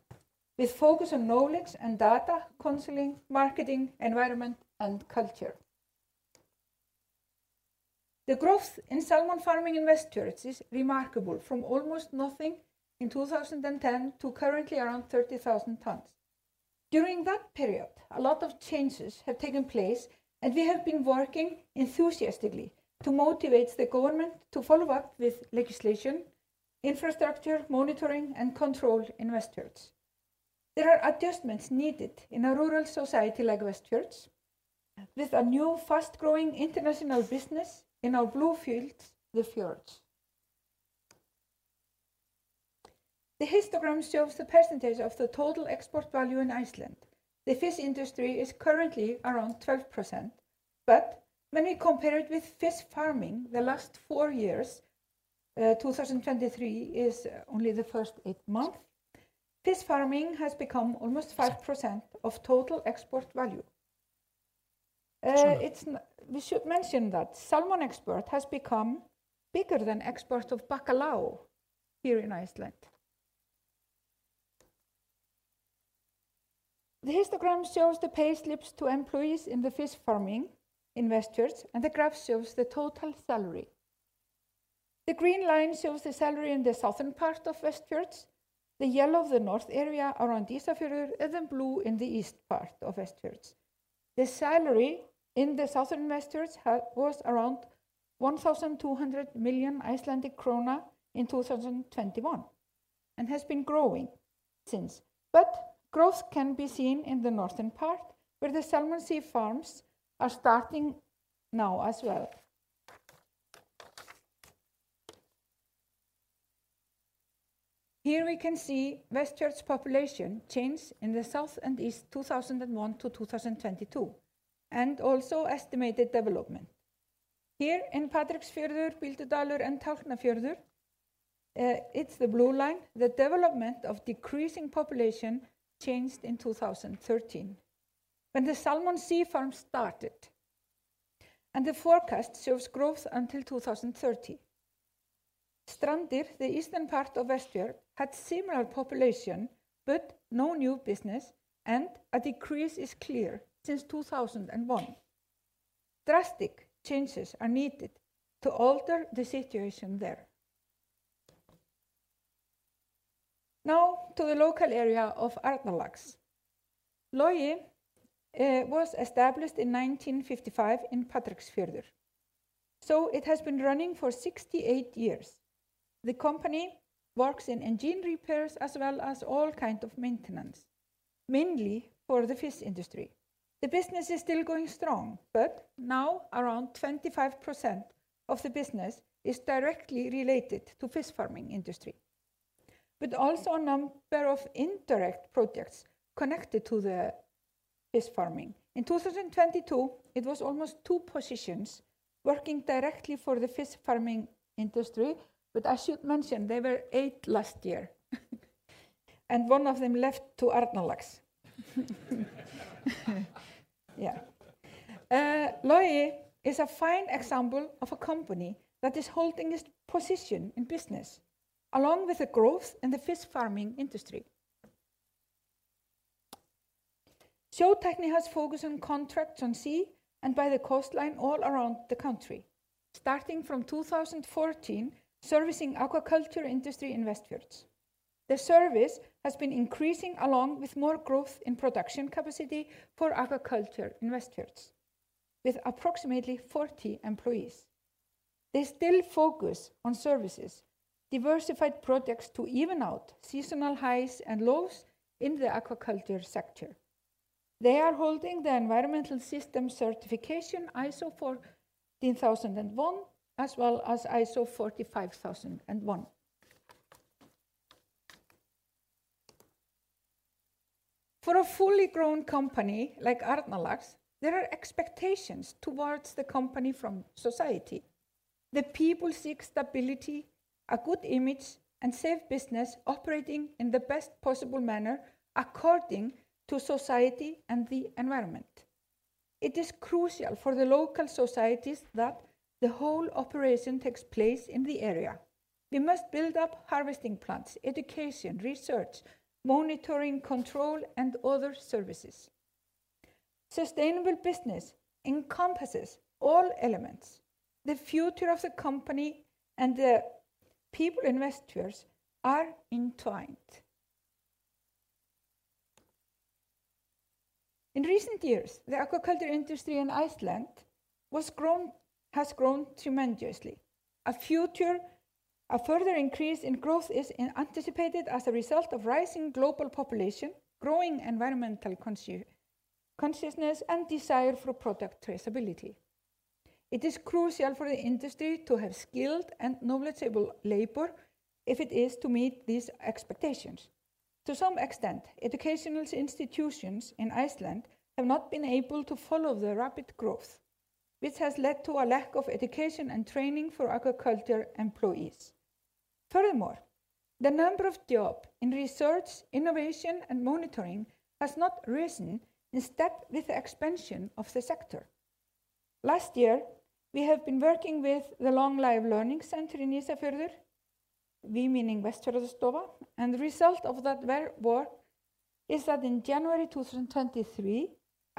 with focus on knowledge and data, counseling, marketing, environment, and culture. The growth in salmon farming in Westfjords is remarkable, from almost nothing in 2010 to currently around 30,000 tons. During that period, a lot of changes have taken place, and we have been working enthusiastically to motivate the government to follow up with legislation, infrastructure, monitoring, and control in Westfjords. There are adjustments needed in a rural society like Westfjords, with a new, fast-growing international business in our blue fields, the fjords. The histogram shows the percentage of the total export value in Iceland. The fish industry is currently around 12%, but when we compare it with fish farming, the last 4 years, 2023 is only the first 8 months, fish farming has become almost 5% of total export value. It's. We should mention that salmon export has become bigger than export of bacalao here in Iceland. The histogram shows the payslips to employees in the fish farming in Westfjords, and the graph shows the total salary. The green line shows the salary in the southern part of Westfjords, the yellow of the north area around Ísafjörður, and then blue in the east part of Westfjords. The salary in the southern Westfjords was around 1,200 million Icelandic krona in 2021, and has been growing since. But growth can be seen in the northern part, where the salmon sea farms are starting now as well. Here we can see Westfjords' population change in the south and east 2001 to 2022, and also estimated development. Here in Patreksfjörður, Bíldudalur and Tálknafjörður, it's the blue line. The development of decreasing population changed in 2013, when the salmon sea farm started, and the forecast shows growth until 2030. Strandir, the eastern part of Westfjords, had similar population, but no new business, and a decrease is clear since 2001. Drastic changes are needed to alter the situation there. Now, to the local area of Arnarlax. Logi was established in 1955 in Patreksfjörður, so it has been running for 68 years. The company works in engine repairs as well as all kind of maintenance, mainly for the fish industry. The business is still going strong, but now around 25% of the business is directly related to fish farming industry, but also a number of indirect projects connected to the fish farming. In 2022, it was almost 2 positions working directly for the fish farming industry, but I should mention they were 8 last year, and 1 of them left to Arnarlax. Yeah. Logi is a fine example of a company that is holding its position in business, along with the growth in the fish farming industry. Sjótækni has focus on contracts on sea and by the coastline all around the country, starting from 2014, servicing aquaculture industry in Westfjords. The service has been increasing, along with more growth in production capacity for aquaculture in Westfjords, with approximately 40 employees. They still focus on services, diversified projects to even out seasonal highs and lows in the aquaculture sector. They are holding the environmental system certification, ISO 14001, as well as ISO 45001. For a fully grown company like Arnarlax, there are expectations towards the company from society. The people seek stability, a good image, and safe business operating in the best possible manner according to society and the environment. It is crucial for the local societies that the whole operation takes place in the area. We must build up harvesting plants, education, research, monitoring, control, and other services. Sustainable business encompasses all elements. The future of the company and the people in Westfjords are entwined. In recent years, the aquaculture industry in Iceland has grown tremendously. A further increase in growth is anticipated as a result of rising global population, growing environmental consciousness, and desire for product traceability. It is crucial for the industry to have skilled and knowledgeable labor if it is to meet these expectations. To some extent, educational institutions in Iceland have not been able to follow the rapid growth, which has led to a lack of education and training for aquaculture employees. Furthermore, the number of jobs in research, innovation, and monitoring has not risen in step with the expansion of the sector. Last year, we have been working with the Long Life Learning Center in Ísafjörður, we meaning Vestfjarðastofa, and the result of that work is that in January 2023,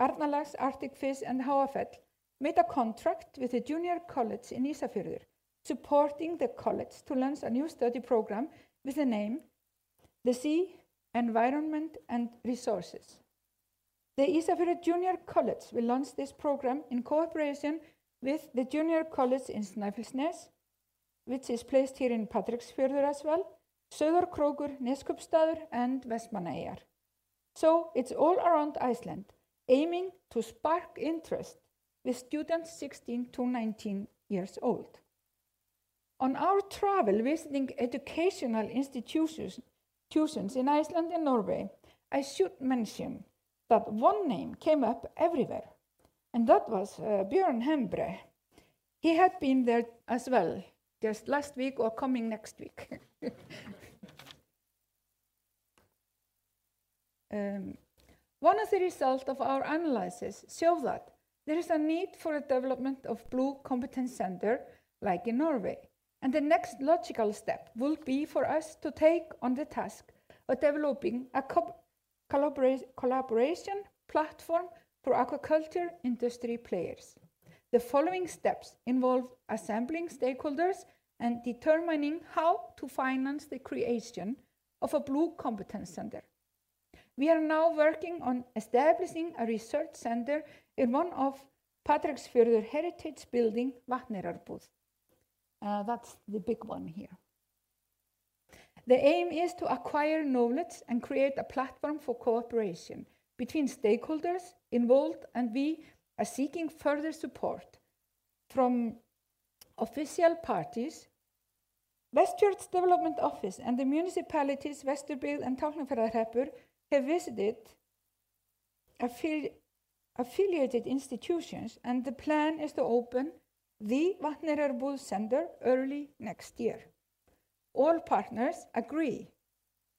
Arnarlax, Arctic Fish, and Háafell made a contract with the junior college in Ísafjörður, supporting the college to launch a new study program with the name, The Sea, Environment, and Resources. The Ísafjörður Junior College will launch this program in cooperation with the junior college in Snæfellsnes, which is placed here in Patreksfjörður as well, Sauðárkrókur, Neskaupstaður, and Vestmannaeyjar. So it's all around Iceland, aiming to spark interest with students 16-19 years old. On our travel visiting educational institutions in Iceland and Norway, I should mention that one name came up everywhere, and that was, Björn Hembre. He had been there as well, just last week or coming next week. One of the results of our analysis show that there is a need for a development of blue competence center, like in Norway, and the next logical step will be for us to take on the task of developing a collaboration platform for aquaculture industry players. The following steps involve assembling stakeholders and determining how to finance the creation of a blue competence center. We are now working on establishing a research center in one of Patreksfjörður heritage building, Vatneyrarbúð. That's the big one here. The aim is to acquire knowledge and create a platform for cooperation between stakeholders involved, and we are seeking further support from official parties. Westfjords Development Office and the municipalities, Vesturbyggð and Tálknafjarðarhreppur, have visited affiliated institutions, and the plan is to open the Vatneyrarbúð Center early next year. All partners agree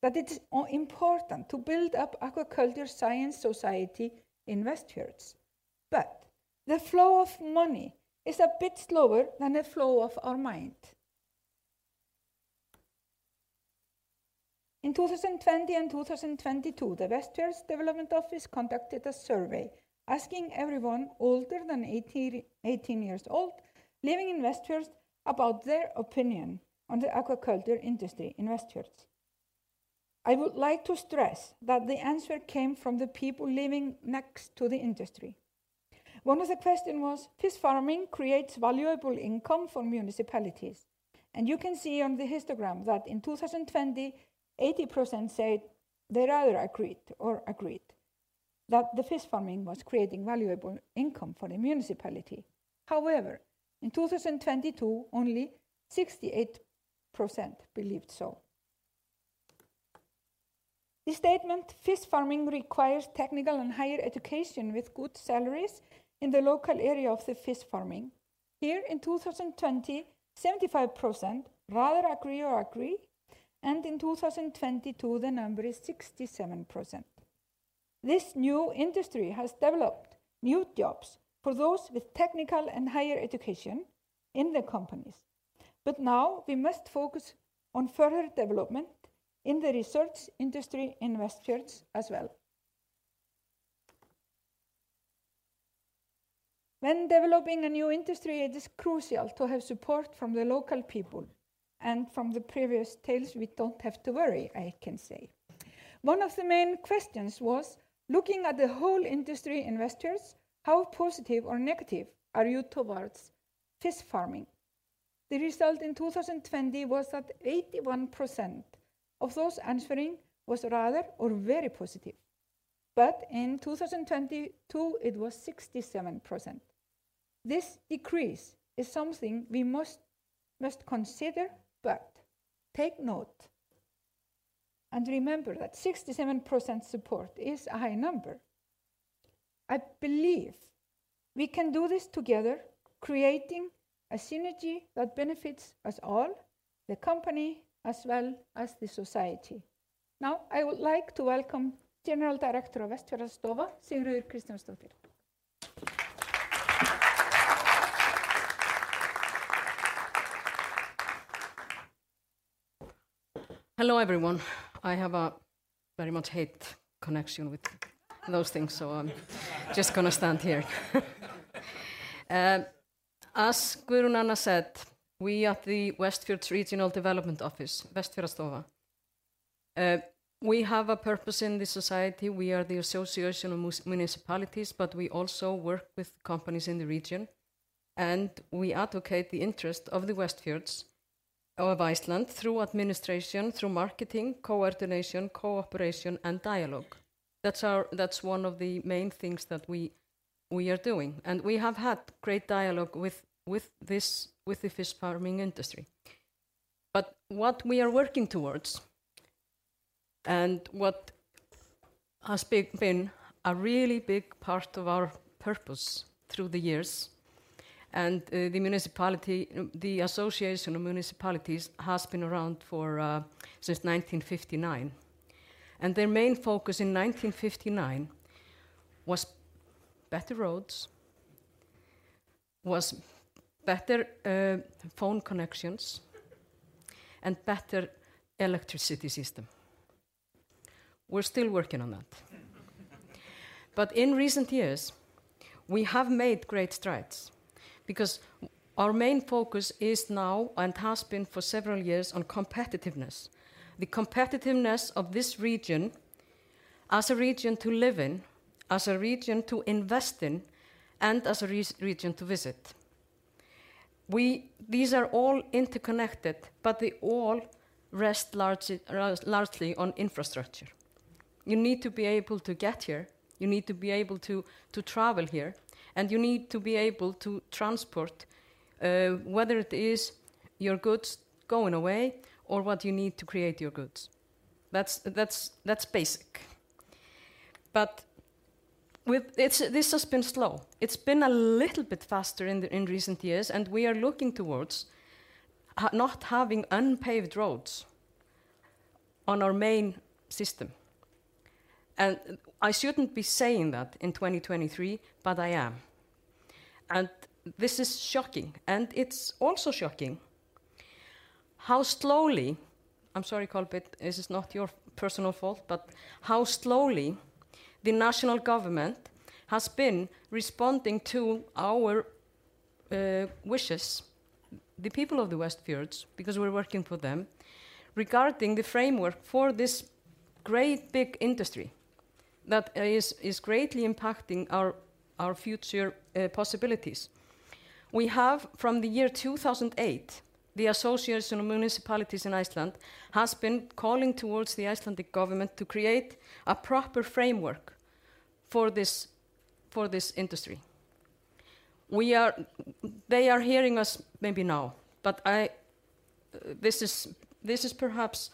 that it's important to build up aquaculture science society in Westfjords. But the flow of money is a bit slower than the flow of our mind. In 2020 and 2022, the Westfjords Development Office conducted a survey asking everyone older than 18, 18 years old, living in Westfjords about their opinion on the aquaculture industry in Westfjords. I would like to stress that the answer came from the people living next to the industry. One of the question was, "Fish farming creates valuable income for municipalities." And you can see on the histogram that in 2020, 80% said they rather agreed or agreed that the fish farming was creating valuable income for the municipality. However, in 2022, only 68% believed so. The statement, "Fish farming requires technical and higher education with good salaries in the local area of the fish farming," here in 2020, 75% rather agree or agree, and in 2022, the number is 67%. This new industry has developed new jobs for those with technical and higher education in the companies, but now we must focus on further development in the research industry in Westfjords as well. When developing a new industry, it is crucial to have support from the local people, and from the previous tales, we don't have to worry, I can say. One of the main questions was, "Looking at the whole industry in Westfjords, how positive or negative are you towards fish farming?" The result in 2020 was that 81% of those answering was rather or very positive, but in 2022, it was 67%. This decrease is something we must, must consider, but take note and remember that 67% support is a high number. I believe we can do this together, creating a synergy that benefits us all, the company, as well as the society. Now, I would like to welcome General Director of Vestfjarðastofa, Sigríður Ó. Kristjánsdóttir. Hello, everyone. I have a very much hate connection with those things—so I'm just gonna stand here. As Guðrún Anna said, we at the Westfjords Regional Development Office, Vestfjarðastofa, we have a purpose in this society. We are the Association of Municipalities, but we also work with companies in the region, and we advocate the interest of the Westfjords of Iceland through administration, through marketing, coordination, cooperation, and dialogue. That's our—That's one of the main things that we, we are doing, and we have had great dialogue with, with this, with the fish farming industry. But what we are working towards, and what has been, been a really big part of our purpose through the years, and, the municipality, the Association of Municipalities, has been around since 1959. And their main focus in 1959 was better roads, better phone connections, and better electricity system. We're still working on that. But in recent years, we have made great strides because our main focus is now, and has been for several years, on competitiveness. The competitiveness of this region as a region to live in, as a region to invest in, and as a region to visit. These are all interconnected, but they all rest largely on infrastructure. You need to be able to get here, you need to be able to travel here, and you need to be able to transport whether it is your goods going away or what you need to create your goods. That's basic. But this has been slow. It's been a little bit faster in the, in recent years, and we are looking towards not having unpaved roads on our main system. And I shouldn't be saying that in 2023, but I am, and this is shocking, and it's also shocking how slowly... I'm sorry, Kolbeinn, this is not your personal fault, but how slowly the national government has been responding to our wishes the people of the Westfjords, because we're working for them, regarding the framework for this great, big industry that is greatly impacting our future possibilities. We have, from the year 2008, the Association of Municipalities in Iceland has been calling towards the Icelandic government to create a proper framework for this industry. They are hearing us maybe now, but I... This is, this is perhaps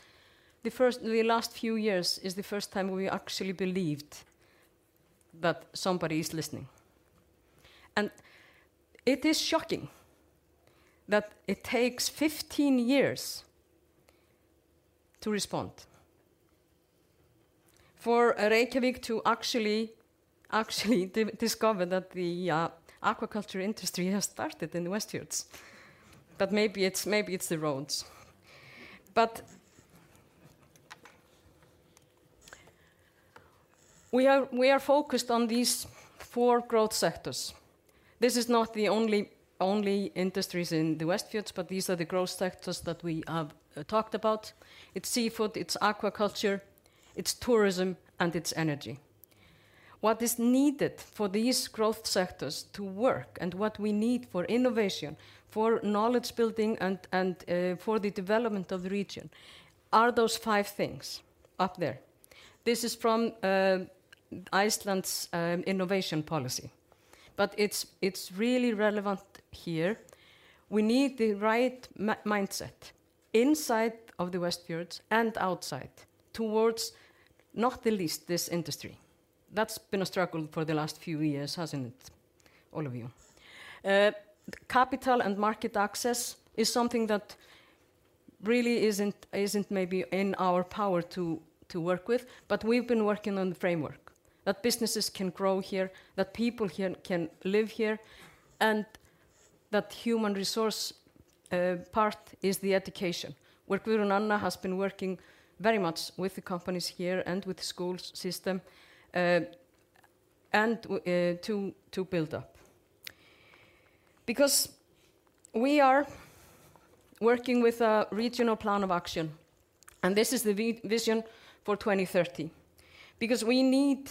the first time, the last few years is the first time we actually believed that somebody is listening. And it is shocking that it takes 15 years to respond, for Reykjavík to actually discover that the aquaculture industry has started in the Westfjords. But maybe it's the roads. But we are focused on these four growth sectors. This is not the only industries in the Westfjords, but these are the growth sectors that we have talked about: it's seafood, it's aquaculture, it's tourism, and it's energy. What is needed for these growth sectors to work, and what we need for innovation, for knowledge building, and for the development of the region, are those five things up there. This is from Iceland's innovation policy, but it's really relevant here. We need the right mindset inside of the Westfjords and outside, towards, not the least, this industry. That's been a struggle for the last few years, hasn't it, all of you? Capital and market access is something that really isn't maybe in our power to work with, but we've been working on the framework, that businesses can grow here, that people here can live here, and that human resource part is the education, where Guðrún Anna has been working very much with the companies here and with the school system, and to build up. Because we are working with a regional plan of action, and this is the vision for 2030. Because we need...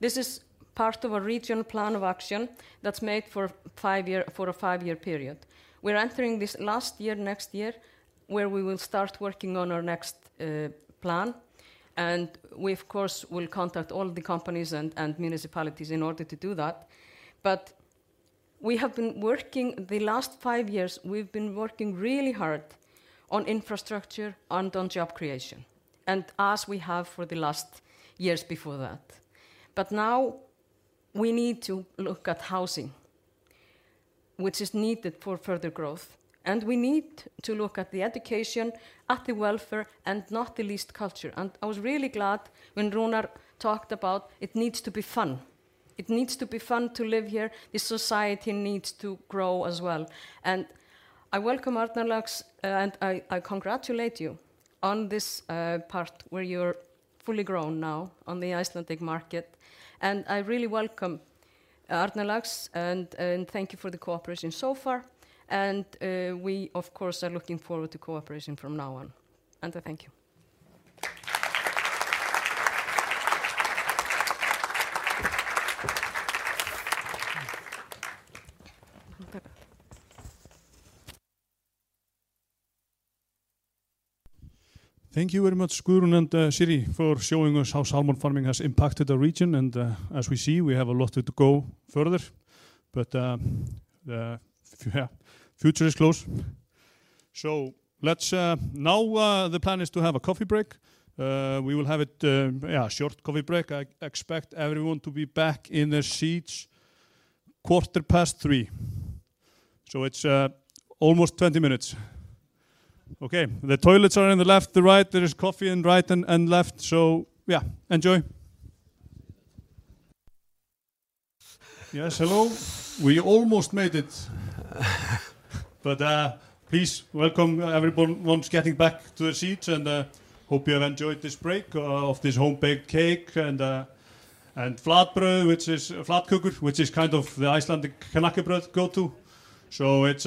This is part of a regional plan of action that's made for a five-year period. We're entering this last year, next year, where we will start working on our next plan, and we, of course, will contact all the companies and, and municipalities in order to do that. But we have been working, the last five years, we've been working really hard on infrastructure and on job creation, and as we have for the last years before that. But now we need to look at housing, which is needed for further growth, and we need to look at the education, at the welfare, and not the least, culture. And I was really glad when Rúnar talked about it needs to be fun. It needs to be fun to live here. The society needs to grow as well. And I welcome Arnarlax, and I, I congratulate you on this part, where you're fully grown now on the Icelandic market, and I really welcome Arnarlax, and, and thank you for the cooperation so far, and, we of course are looking forward to cooperation from now on. And I thank you. Thank you very much, Guðrún and Sirrý, for showing us how salmon farming has impacted the region, and as we see, we have a lot to go further. Yeah, future is close. Let's, now, the plan is to have a coffee break. We will have it, yeah, a short coffee break. I expect everyone to be back in their seats quarter past 3, so it's almost 20 minutes. Okay, the toilets are in the left to right. There is coffee in right and left, so yeah, enjoy. Yes, hello. We almost made it. Please welcome everyone once getting back to their seats, and hope you have enjoyed this break, of this home-baked cake and flatbrød, which is, flatkøkur, which is kind of the Icelandic knäckebröd go-to. It's...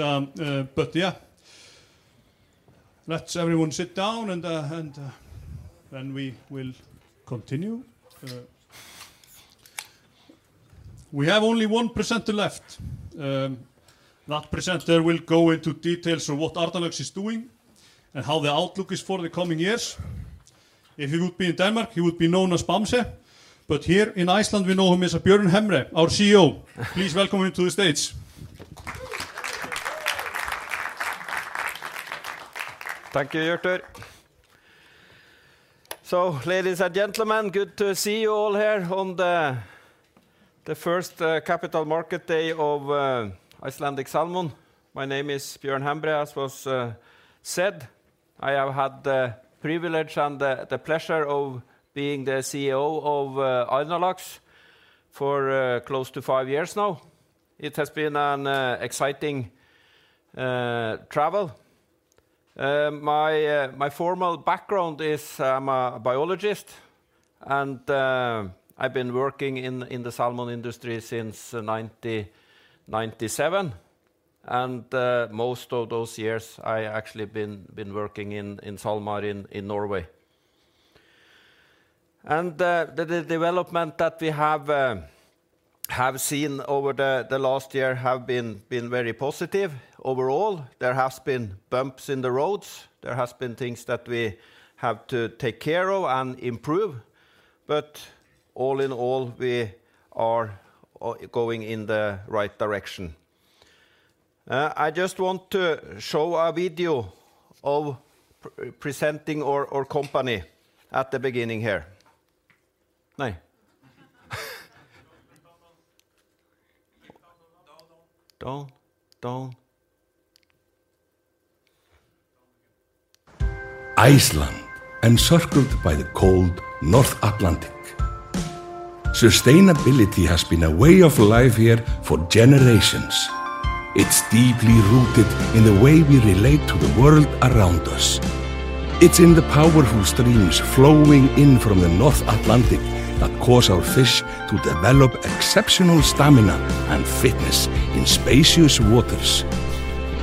But yeah, let's everyone sit down, and then we will continue. We have only one presenter left. That presenter will go into details on what Arnarlax is doing and how the outlook is for the coming years. If he would be in Denmark, he would be known as Bamse, but here in Iceland, we know him as Björn Hembre, our CEO. Please welcome him to the stage. Thank you, Hjörtur. So, ladies and gentlemen, good to see you all here on the first capital market day of Icelandic Salmon. My name is Björn Hembre, as was said. I have had the privilege and the pleasure of being the CEO of Arnarlax for close to five years now. It has been an exciting. My formal background is I'm a biologist, and I've been working in the salmon industry since 1997. And most of those years, I actually been working in Salmar in Norway. And the development that we have seen over the last year have been very positive overall. There has been bumps in the roads. There has been things that we have to take care of and improve, but all in all, we are going in the right direction. I just want to show a video of presenting our company at the beginning here. Nei. Down, down. Down, down. Iceland, encircled by the cold North Atlantic. Sustainability has been a way of life here for generations. It's deeply rooted in the way we relate to the world around us. It's in the powerful streams flowing in from the North Atlantic that cause our fish to develop exceptional stamina and fitness in spacious waters.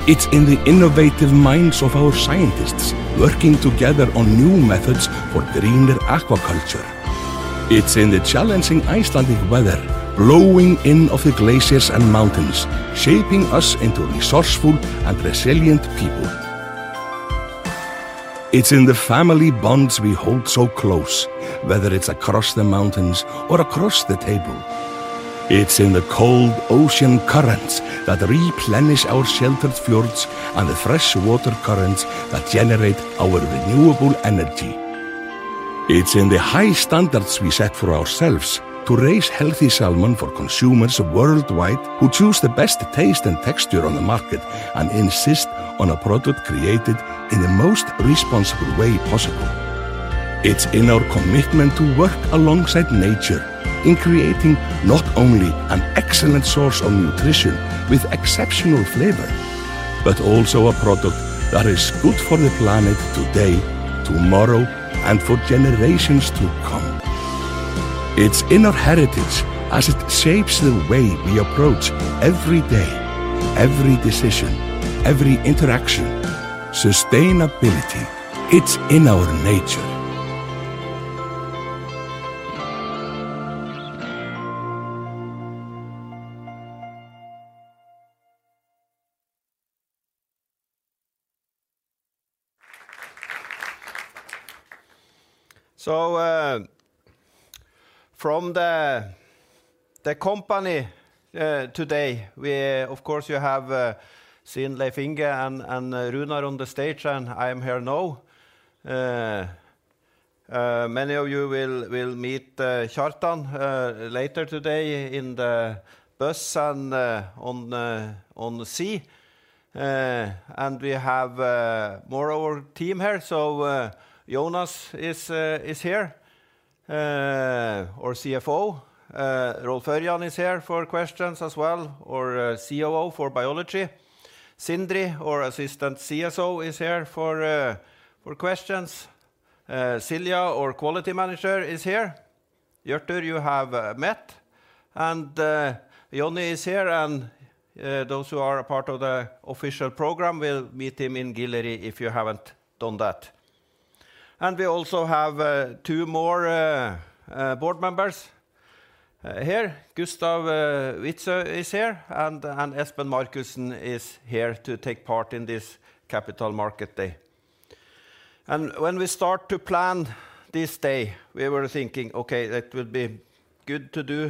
It's in the innovative minds of our scientists working together on new methods for greener aquaculture. It's in the challenging Icelandic weather, blowing in off the glaciers and mountains, shaping us into resourceful and resilient people. It's in the family bonds we hold so close, whether it's across the mountains or across the table. It's in the cold ocean currents that replenish our sheltered fjords and the fresh water currents that generate our renewable energy. It's in the high standards we set for ourselves to raise healthy salmon for consumers worldwide, who choose the best taste and texture on the market and insist on a product created in the most responsible way possible. It's in our commitment to work alongside nature in creating not only an excellent source of nutrition with exceptional flavor, but also a product that is good for the planet today, tomorrow, and for generations to come. It's in our heritage as it shapes the way we approach every day, every decision, every interaction. Sustainability, it's in our nature. So, from the company today, of course you have seen Leif Inge and Runar on the stage, and I am here now. Many of you will meet Kjartan later today in the bus and on the sea. And we have more of our team here. So, Jónas is here, our CFO. Rolf Ørjan is here for questions as well, our COO for biology. Sindri, our assistant CSO, is here for questions. Silja, our Quality Manager, is here. Hjörtur, you have met. And Jonny is here, and those who are a part of the official program will meet him in Gilteyri if you haven't done that. And we also have two more board members here. Gustav Witzøe is here, and Esben Markussen is here to take part in this Capital Markets Day. When we start to plan this day, we were thinking, "Okay, that would be good to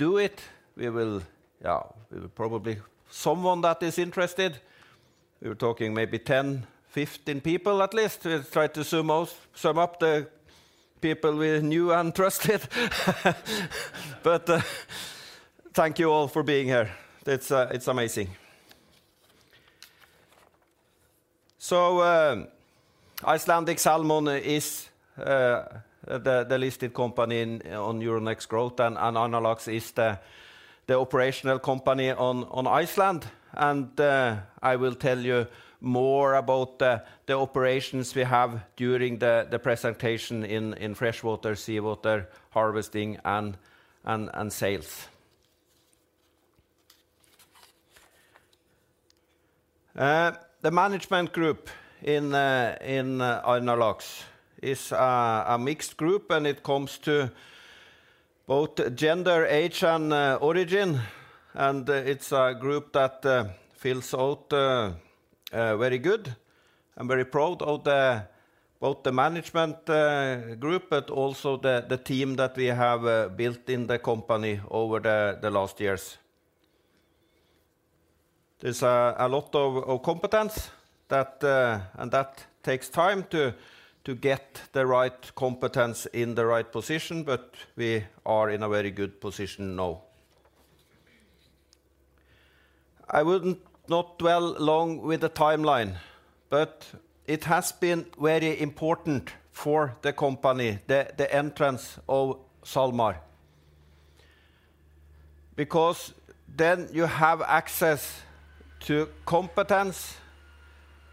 do it. We will... Yeah, we will probably someone that is interested." We were talking maybe 10, 15 people, at least. We'll try to sum up, sum up the people we knew and trusted. But thank you all for being here. It's amazing. So Icelandic Salmon is the listed company on Euronext Growth, and Arnarlax is the operational company on Iceland. I will tell you more about the operations we have during the presentation in freshwater, seawater, harvesting, and sales. The management group in Arnarlax is a mixed group, and it comes to both gender, age, and origin, and it's a group that fills out very good. I'm very proud of both the management group, but also the team that we have built in the company over the last years. There's a lot of competence that... And that takes time to get the right competence in the right position, but we are in a very good position now. I wouldn't not dwell long with the timeline, but it has been very important for the company, the entrance of SalMar. Because then you have access to competence,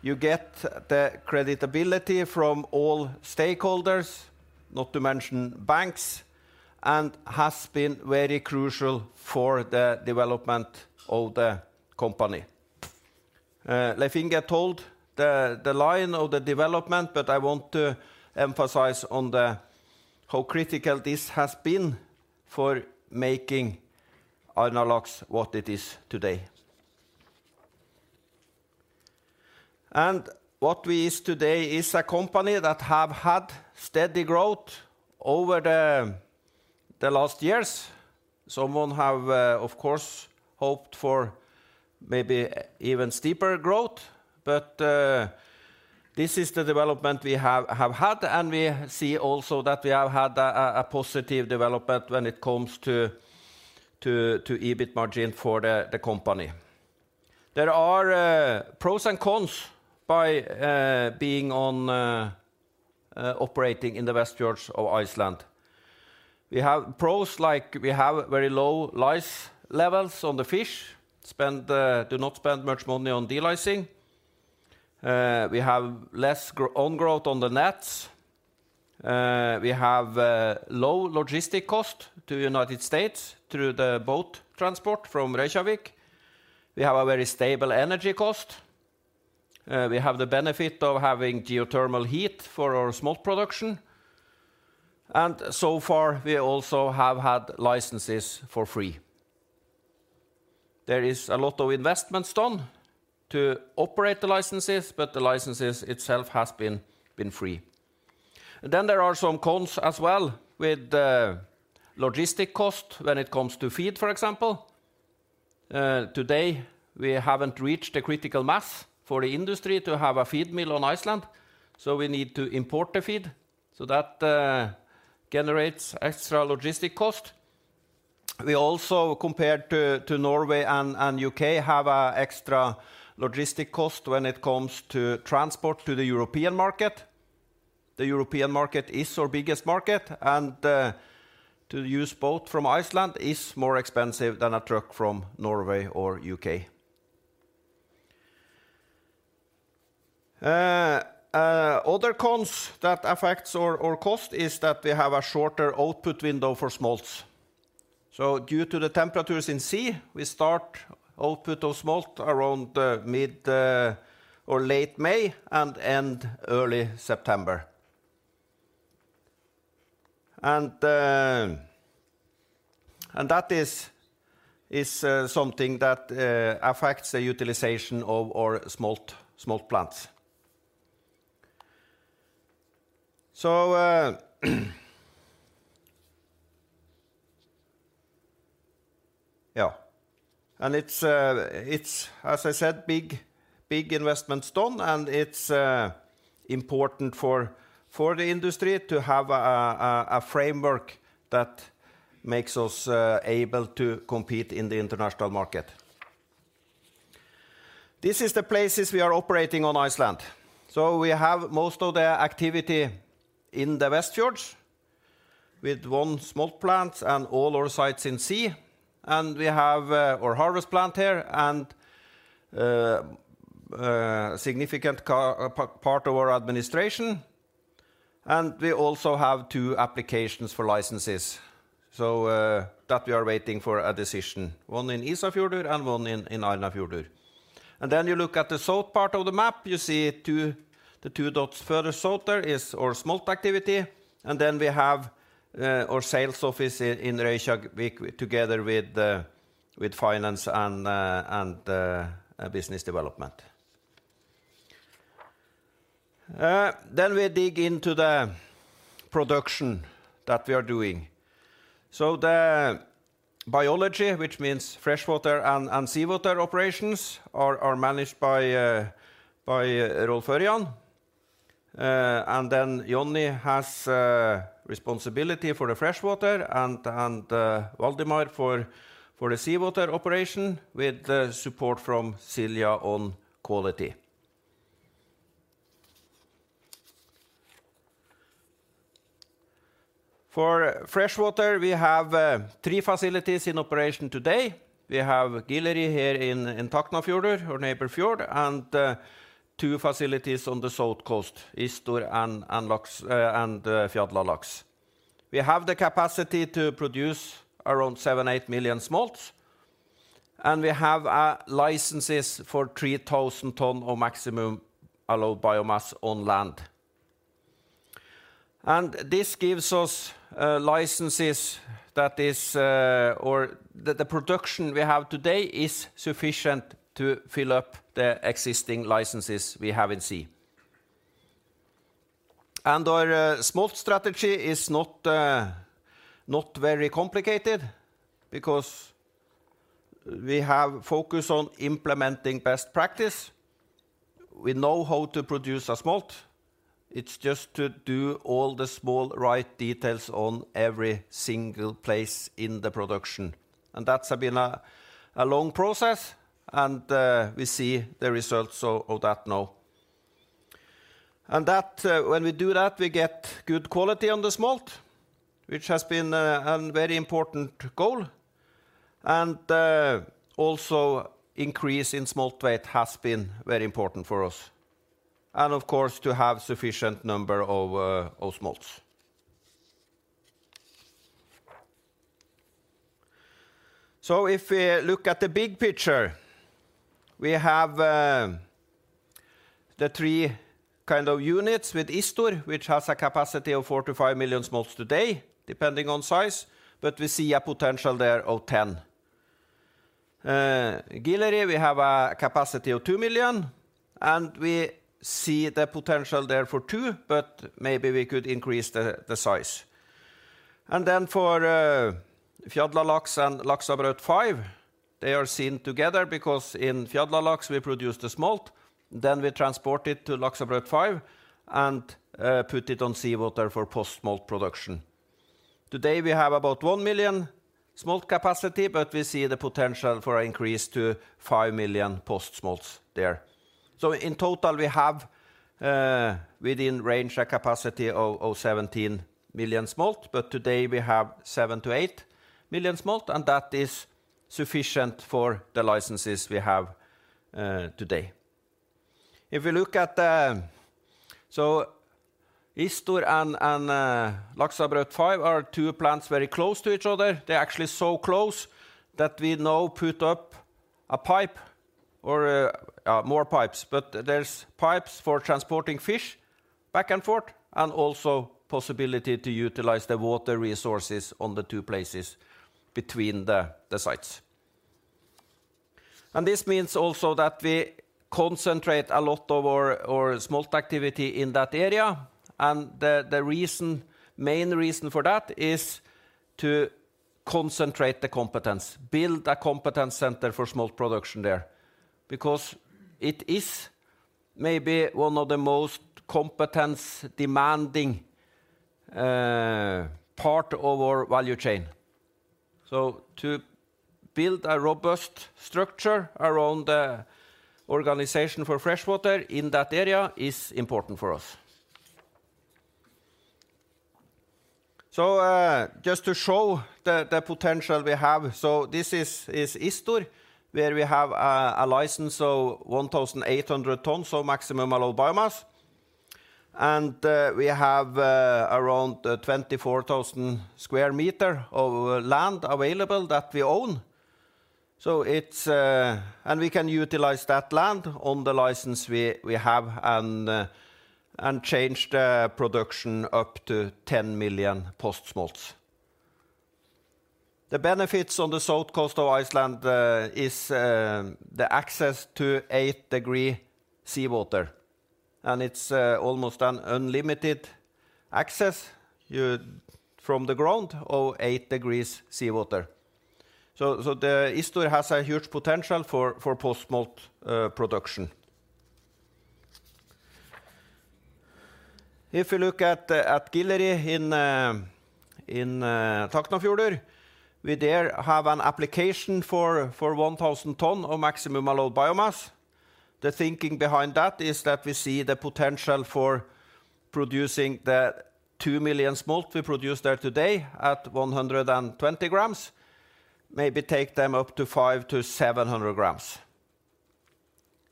you get the credibility from all stakeholders, not to mention banks, and has been very crucial for the development of the company. Leif Inge told the line of the development, but I want to emphasize on how critical this has been for making Arnarlax what it is today. What we is today is a company that have had steady growth over the last years. Someone have of course hoped for maybe even steeper growth, but this is the development we have had, and we see also that we have had a positive development when it comes to EBIT margin for the company. There are pros and cons by being on operating in the Westfjords of Iceland. We have pros like we have very low lice levels on the fish, do not spend much money on delicing. We have less growth on the nets. We have low logistic cost to United States through the boat transport from Reykjavík. We have a very stable energy cost. We have the benefit of having geothermal heat for our smolt production, and so far we also have had licenses for free. There is a lot of investments done to operate the licenses, but the licenses itself has been free. Then there are some cons as well with logistic cost when it comes to feed, for example. Today, we haven't reached a critical mass for the industry to have a feed mill on Iceland, so we need to import the feed, so that generates extra logistic cost. We also, compared to Norway and UK, have a extra logistic cost when it comes to transport to the European market. The European market is our biggest market, and to use boat from Iceland is more expensive than a truck from Norway or UK. Other cons that affects our cost is that we have a shorter output window for smolts. So due to the temperatures in sea, we start output of smolt around mid or late May and end early September. And that is something that affects the utilization of our smolt plants. So yeah, and it's as I said, big investments done, and it's important for the industry to have a framework that makes us able to compete in the international market. This is the places we are operating on Iceland. So we have most of the activity in the Westfjords, with one smolt plant and all our sites in sea, and we have our harvest plant here and significant part of our administration, and we also have two applications for licenses. So that we are waiting for a decision, one in Ísafjörður and one in Ísafjörður. And then you look at the south part of the map, you see two, the two dots further south there is our smolt activity, and then we have our sales office in Reykjavík together with the with finance and business development. Then we dig into the production that we are doing. So the biology, which means freshwater and seawater operations, are managed by Rolf Ørjan. Then Júlíus has responsibility for the freshwater and Waldemar for the seawater operation, with the support from Silja on quality. For freshwater, we have three facilities in operation today. We have Gilteyri here in Tálknafjörður, our neighbor fjord, and two facilities on the south coast, Ístor and Laxabrót. We have the capacity to produce around 7-8 million smolts, and we have licenses for 3,000 tons of maximum allowed biomass on land. And this gives us or the production we have today is sufficient to fill up the existing licenses we have in sea. And our smolt strategy is not very complicated, because we have focus on implementing best practice. We know how to produce a smolt. It's just to do all the small, right details on every single place in the production. And that's been a long process, and we see the results of that now. And that, when we do that, we get good quality on the smolt, which has been a very important goal. And also increase in smolt weight has been very important for us, and of course, to have sufficient number of smolts. So if we look at the big picture, we have the three kind of units with Ístor, which has a capacity of 45 million smolts today, depending on size, but we see a potential there of 10. Gilteyri, we have a capacity of 2 million, and we see the potential there for 2, but maybe we could increase the size. For Fjarðalax and Laxabrót 5, they are seen together because in Fjarðalax we produce the smolt, then we transport it to Laxabrót 5 and put it on seawater for post-smolt production. Today, we have about 1 million smolt capacity, but we see the potential for an increase to 5 million post-smolts there. In total, we have, within range, a capacity of 17 million smolt, but today we have 7-8 million smolt, and that is sufficient for the licenses we have today. If we look at the, Istor and Laxabrót 5 are two plants very close to each other. They're actually so close that we now put up a pipe or more pipes, but there's pipes for transporting fish back and forth, and also possibility to utilize the water resources on the two places between the sites. And this means also that we concentrate a lot of our smolt activity in that area, and the reason, main reason for that is to concentrate the competence, build a competence center for smolt production there, because it is maybe one of the most competence demanding part of our value chain. So to build a robust structure around the organization for freshwater in that area is important for us. So just to show the potential we have, so this is Ístor, where we have a license of 1,800 tons, so maximum allowed biomass. We have around 24,000 square meters of land available that we own. So it's. And we can utilize that land on the license we have and change the production up to 10 million post-smolts. The benefits on the south coast of Iceland is the access to 8-degree seawater, and it's almost an unlimited access, you, from the ground of 8 degrees seawater. So the Ístor has a huge potential for post-smolt production. If you look at Gilteyri in Tálknafjörður, we there have an application for 1,000 tons of maximum allowed biomass. The thinking behind that is that we see the potential for producing the 2 million smolt we produce there today at 120 grams, maybe take them up to 500-700 grams.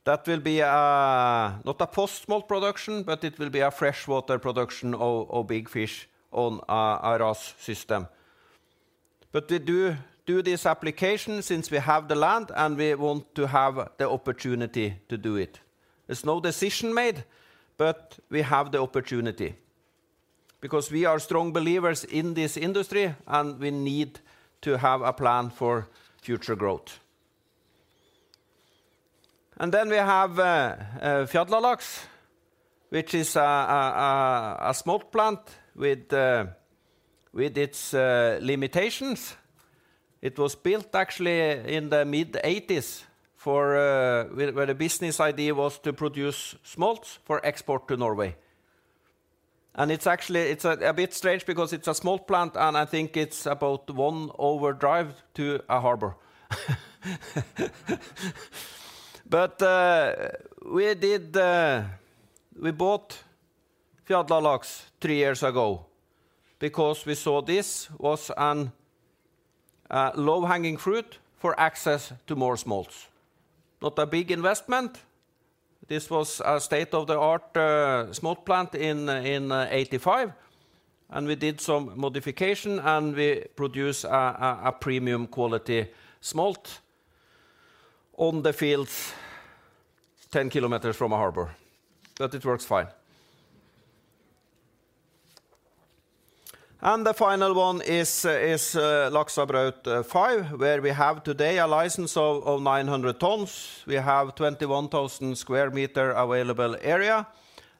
That will be not a post-smolt production, but it will be a freshwater production of big fish on a RAS system. But we do do this application since we have the land, and we want to have the opportunity to do it. There's no decision made, but we have the opportunity because we are strong believers in this industry, and we need to have a plan for future growth. And then we have Fjarðalax, which is a smolt plant with its limitations. It was built actually in the mid-1980s for where the business idea was to produce smolts for export to Norway. And it's actually a bit strange because it's a smolt plant, and I think it's about one hour drive to a harbor. But we did, we bought Fjarðalax three years ago because we saw this was an low-hanging fruit for access to more smolts. Not a big investment. This was a state-of-the-art smolt plant in 1985, and we did some modification, and we produce a premium quality smolt on the fields 10 kilometers from a harbor. But it works fine. And the final one is Laxabrót 5, where we have today a license of 900 tons. We have 21,000 square meter available area,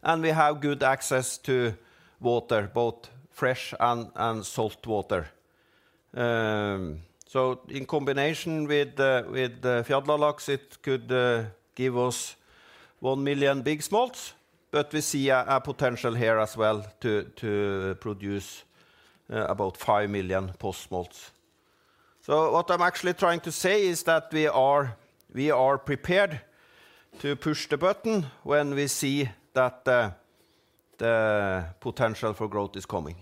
and we have good access to water, both fresh and saltwater. So in combination with the Fjarðalax, it could give us 1 million big smolts, but we see a potential here as well to produce about 5 million post-smolts. So what I'm actually trying to say is that we are, we are prepared to push the button when we see that the, the potential for growth is coming.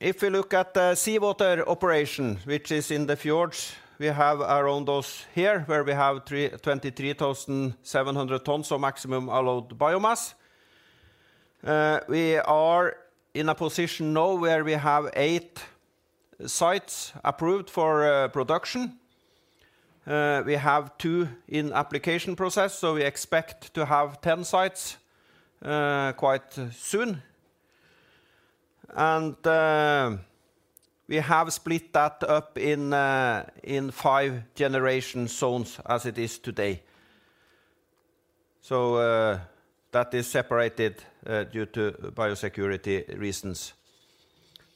If you look at the seawater operation, which is in the fjords, we have around us here, where we have 23,700 tons of Maximum Allowed Biomass. We are in a position now where we have 8 sites approved for production. We have 2 in application process, so we expect to have 10 sites quite soon. And we have split that up in 5 generation zones as it is today. So that is separated due to biosecurity reasons.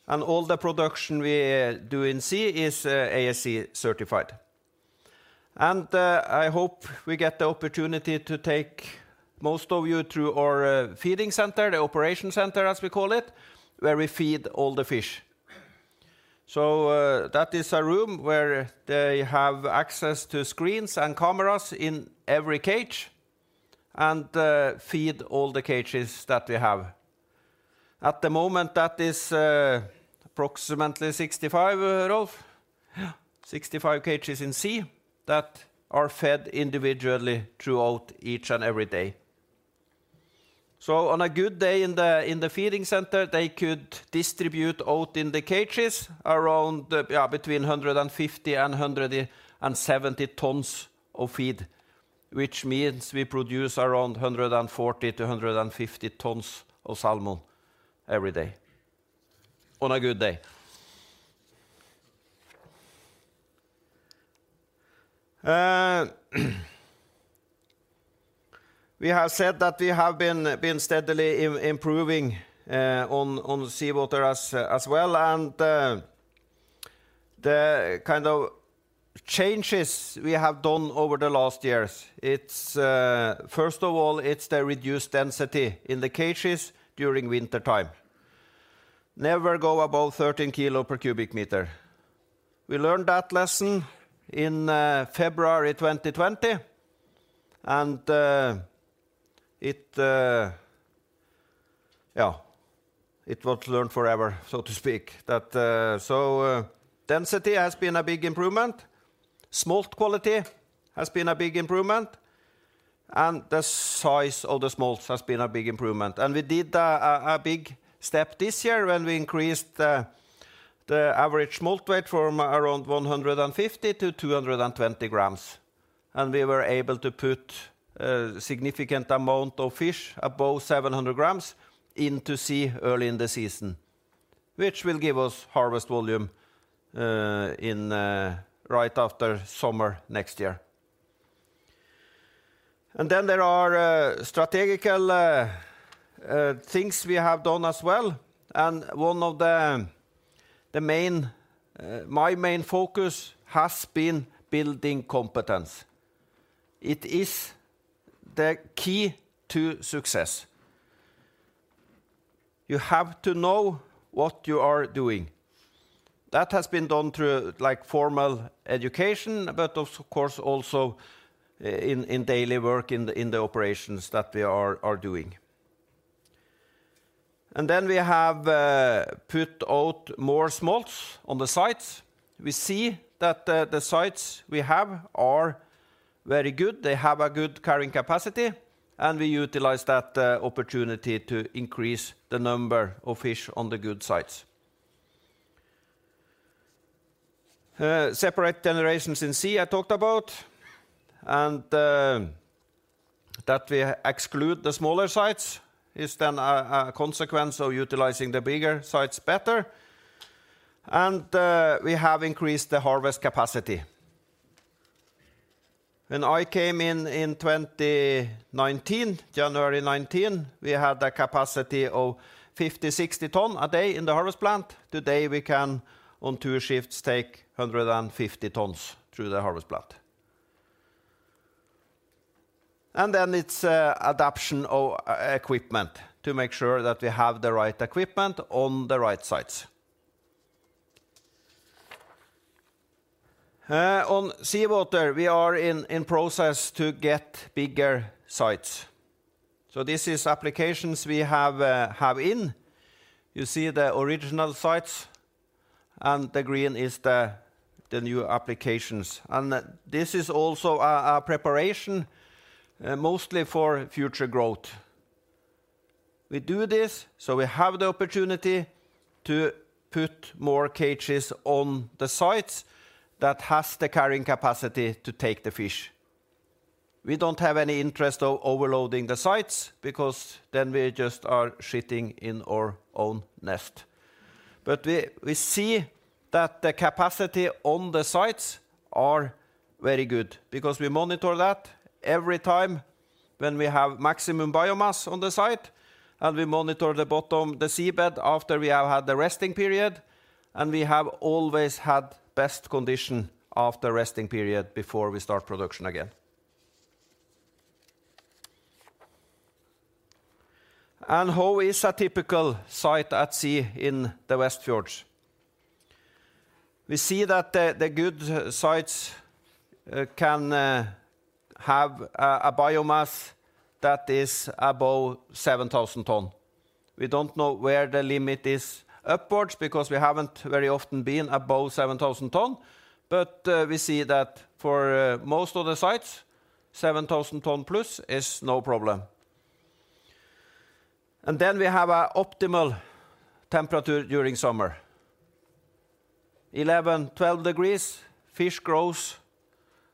And all the production we do in sea is ASC certified. I hope we get the opportunity to take most of you through our feeding center, the operation center, as we call it, where we feed all the fish. So, that is a room where they have access to screens and cameras in every cage, and feed all the cages that we have. At the moment, that is approximately 65, Rolf? Yeah, 65 cages in sea that are fed individually throughout each and every day. So on a good day in the feeding center, they could distribute out in the cages around between 150 and 170 tons of feed, which means we produce around 140 to 150 tons of salmon every day. On a good day. We have said that we have been steadily improving on seawater as well, and the kind of changes we have done over the last years, it's first of all the reduced density in the cages during wintertime. Never go above 13 kilo per cubic meter. We learned that lesson in February 2020, and it was learned forever, so to speak, that so density has been a big improvement, smolt quality has been a big improvement, and the size of the smolts has been a big improvement. We did a big step this year when we increased the average smolt weight from around 150 to 220 grams, and we were able to put a significant amount of fish above 700 grams into sea early in the season, which will give us harvest volume right after summer next year. Then there are strategic things we have done as well, and one of the main, my main focus has been building competence. It is the key to success. You have to know what you are doing. That has been done through like formal education, but of course, also in daily work in the operations that we are doing. Then we have put out more smolts on the sites. We see that the sites we have are very good. They have a good carrying capacity, and we utilize that opportunity to increase the number of fish on the good sites. Separate generations in sea I talked about, and that we exclude the smaller sites is then a consequence of utilizing the bigger sites better, and we have increased the harvest capacity. When I came in in 2019, January 2019, we had a capacity of 50-60 tons a day in the harvest plant. Today, we can, on two shifts, take 150 tons through the harvest plant. And then it's adaption of equipment to make sure that we have the right equipment on the right sites. On seawater, we are in process to get bigger sites. So this is applications we have in. You see the original sites, and the green is the new applications. And this is also a preparation, mostly for future growth. We do this, so we have the opportunity to put more cages on the sites that has the carrying capacity to take the fish. We don't have any interest of overloading the sites, because then we just are shifing in our own nest. But we see that the capacity on the sites are very good, because we monitor that every time when we have maximum bio-mass on the site, and we monitor the bottom, the sea bed, after we have had the resting period, and we have always had best condition after resting period before we start production again. And how is a typical site at sea in the Westfjords? We see that the good sites can have a biomass that is above 7,000 ton. We don't know where the limit is upwards, because we haven't very often been above 7,000 ton. But we see that for most of the sites, 7,000 ton plus is no problem. And then we have an optimal temperature during summer, 11, 12 degrees. Fish grows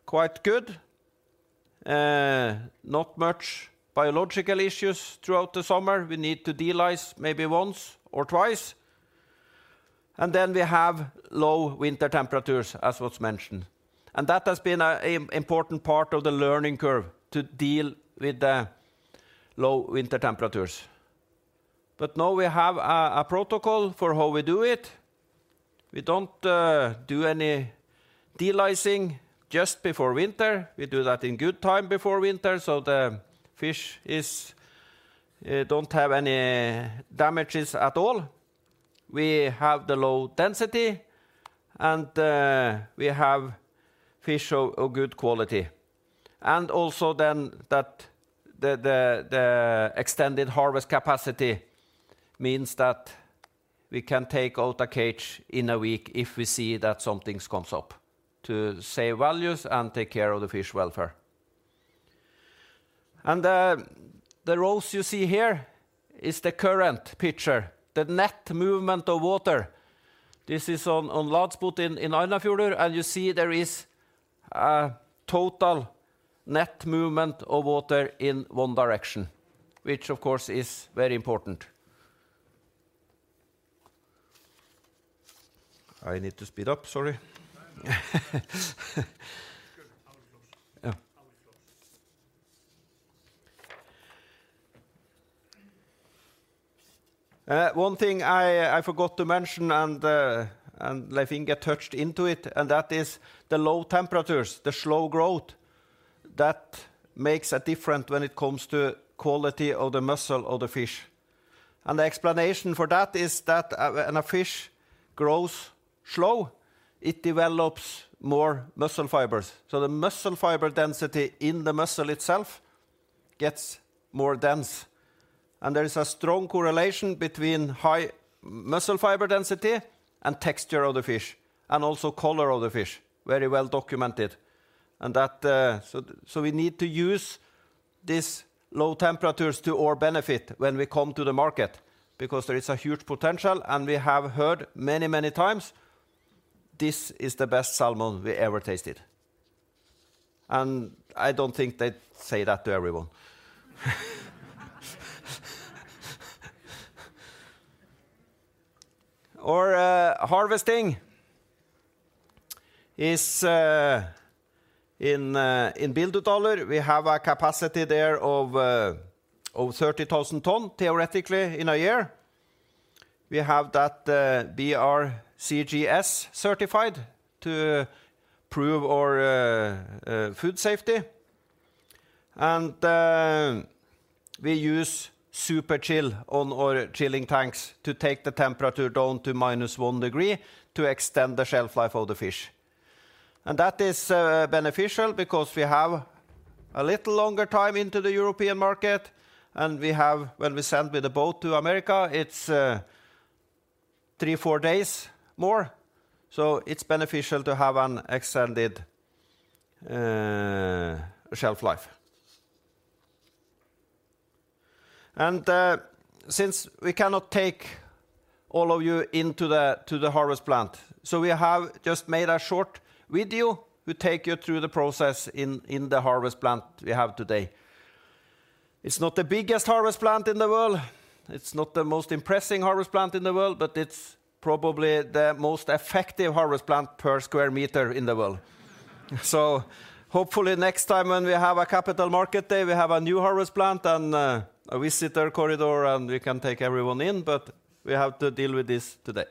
quite good. Not much biological issues throughout the summer. We need to delice maybe once or twice, and then we have low winter temperatures, as was mentioned. And that has been an important part of the learning curve, to deal with the low winter temperatures. But now we have a protocol for how we do it. We don't do any delicing just before winter. We do that in good time, before winter, so the fish is, don't have any damages at all. We have the low density, and we have fish of good quality. And also then, that the extended harvest capacity means that we can take out a cage in a week if we see that something comes up, to save values and take care of the fish welfare. And the rows you see here is the current picture, the net movement of water. This is on Ladsbotn in Arnarfjörður, and you see there is a total net movement of water in one direction, which of course, is very important. I need to speed up, sorry. Good. I was close. Yeah. I was close. One thing I forgot to mention, and Leif Inge touched into it, and that is the low temperatures, the slow growth that makes a difference when it comes to quality of the muscle of the fish. And the explanation for that is that when a fish grows slow, it develops more muscle fibers. So the muscle fiber density in the muscle itself gets more dense, and there is a strong correlation between high muscle fiber density and texture of the fish, and also color of the fish. Very well documented. And that, so we need to use these low temperatures to our benefit when we come to the market, because there is a huge potential, and we have heard many, many times, "This is the best salmon we ever tasted." And I don't think they say that to everyone. Our harvesting is in Bíldudalur. We have a capacity there of 30,000 tons, theoretically, in a year. We have that BRCGS certified to prove our food safety. And we use super chill on our chilling tanks to take the temperature down to minus one degree, to extend the shelf life of the fish. And that is beneficial because we have a little longer time into the European market, and we have when we send with the boat to America, it's 3-4 days more. So it's beneficial to have an extended shelf life. And since we cannot take all of you into the harvest plant, we have just made a short video to take you through the process in the harvest plant we have today. It's not the biggest harvest plant in the world. It's not the most impressive harvest plant in the world, but it's probably the most effective harvest plant per square meter in the world. So hopefully, next time when we have a capital market day, we have a new harvest plant and a visitor corridor, and we can take everyone in, but we have to deal with this today. ...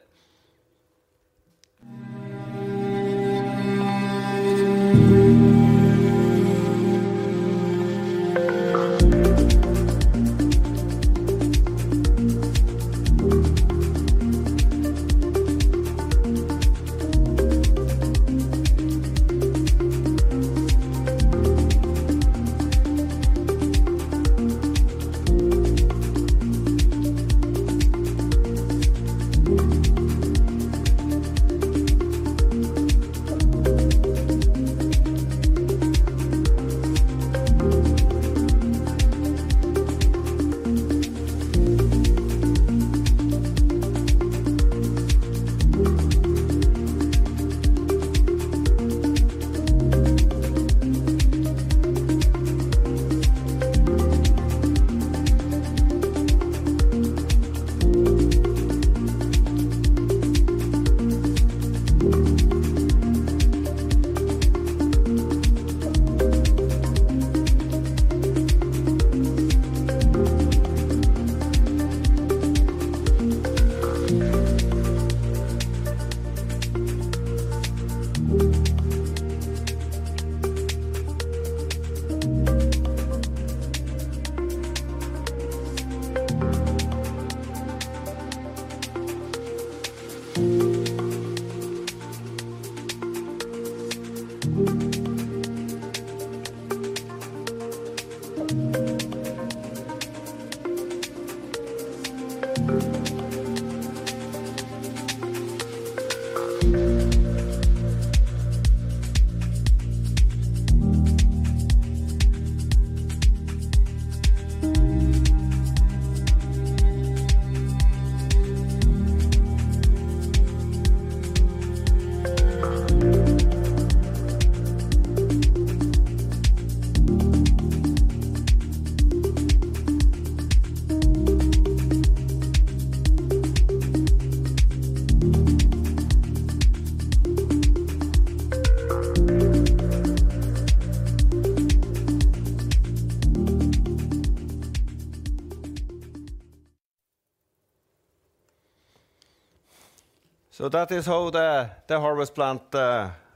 So that is how the harvest plant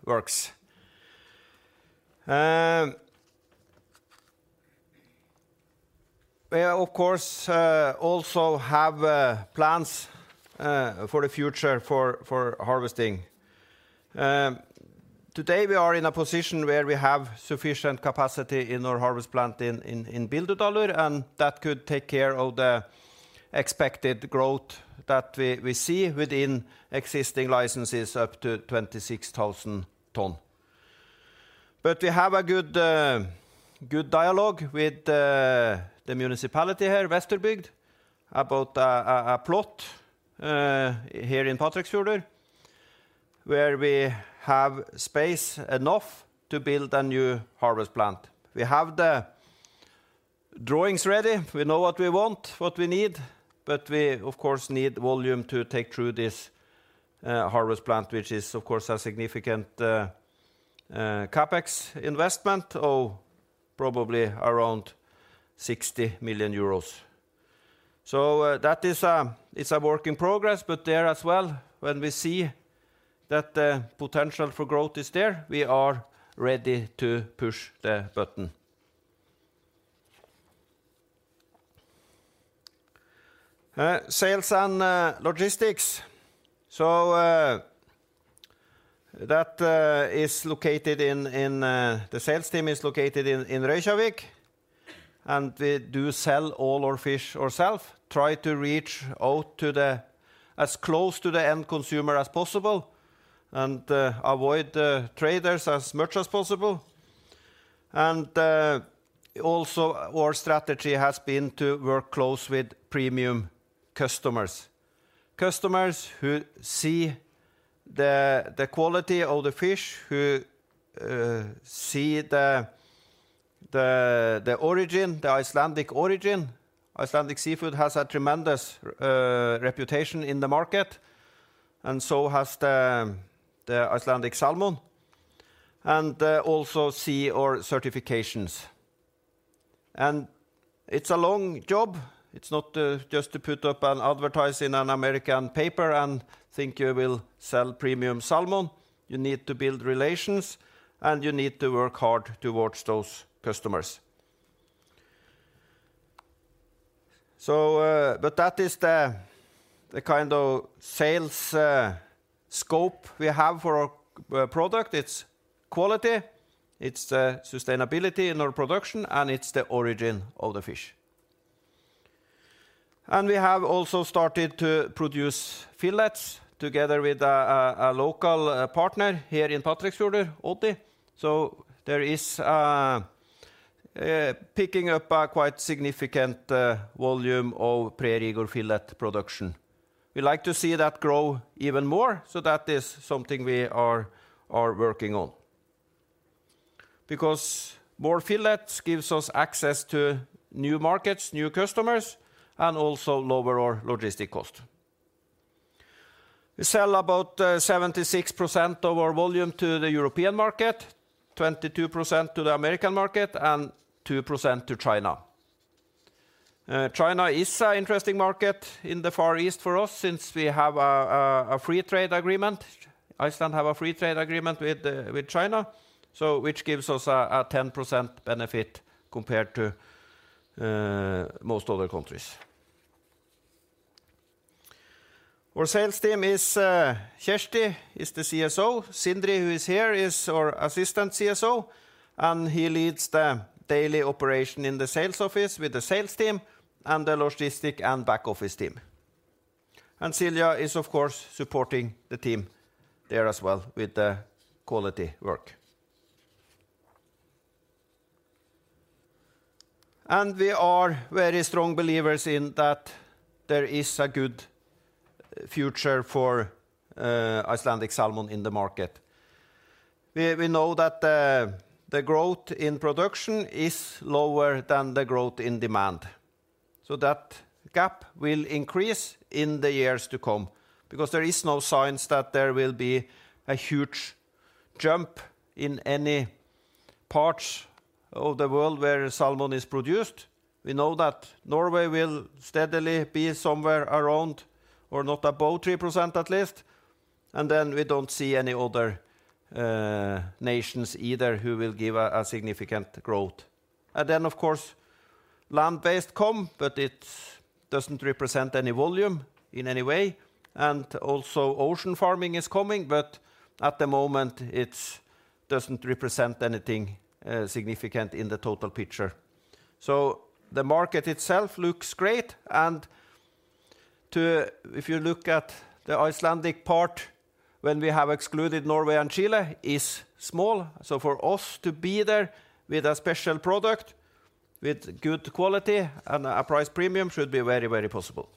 works. We are, of course, also have plans for the future for harvesting. Today, we are in a position where we have sufficient capacity in our harvest plant in Bíldudalur, and that could take care of the expected growth that we see within existing licenses up to 26,000 ton. But we have a good, good dialogue with the the municipality here, Vesturbyggð, about a plot here in Patreksfjörður, where we have space enough to build a new harvest plant. We have the drawings ready. We know what we want, what we need, but we, of course, need volume to take through this harvest plant, which is, of course, a significant CapEx investment of probably around 60 million euros. So, that is, it's a work in progress, but there as well, when we see that the potential for growth is there, we are ready to push the button. Sales and logistics. So, that is located in, in... The sales team is located in Reykjavík, and we do sell all our fish ourselves, try to reach out as close to the end consumer as possible, and avoid traders as much as possible. Also, our strategy has been to work close with premium customers. Customers who see the quality of the fish, who see the origin, the Icelandic origin. Icelandic seafood has a tremendous reputation in the market, and so has the Icelandic salmon, and also see our certifications. It's a long job. It's not just to put up an advertisement in an American paper and think you will sell premium salmon. You need to build relations, and you need to work hard towards those customers. But that is the kind of sales scope we have for our product. It's quality, it's the sustainability in our production, and it's the origin of the fish. And we have also started to produce fillets together with a local partner here in Patreksfjörður, Oddi. So there is picking up a quite significant volume of pre-rigor fillet production. We like to see that grow even more, so that is something we are working on. Because more fillets gives us access to new markets, new customers, and also lower our logistic cost. We sell about 76% of our volume to the European market, 22% to the American market, and 2% to China. China is an interesting market in the Far East for us since we have a free trade agreement. Iceland have a free trade agreement with China, so which gives us a 10% benefit compared to most other countries. Our sales team is, Kjersti is the CSO. Sindri, who is here, is our assistant CSO, and he leads the daily operation in the sales office with the sales team and the logistic and back office team. Silja is, of course, supporting the team there as well with the quality work. We are very strong believers in that there is a good future for Icelandic salmon in the market. We know that the growth in production is lower than the growth in demand, so that gap will increase in the years to come because there is no signs that there will be a huge jump in any parts of the world where salmon is produced. We know that Norway will steadily be somewhere around or not above 3%, at least. And then we don't see any other nations either who will give a significant growth. And then, of course, land-based come, but it doesn't represent any volume in any way. And also ocean farming is coming, but at the moment, it doesn't represent anything significant in the total picture. So the market itself looks great, and to if you look at the Icelandic part, when we have excluded Norway and Chile, is small. So for us to be there with a special product, with good quality and a price premium should be very, very possible.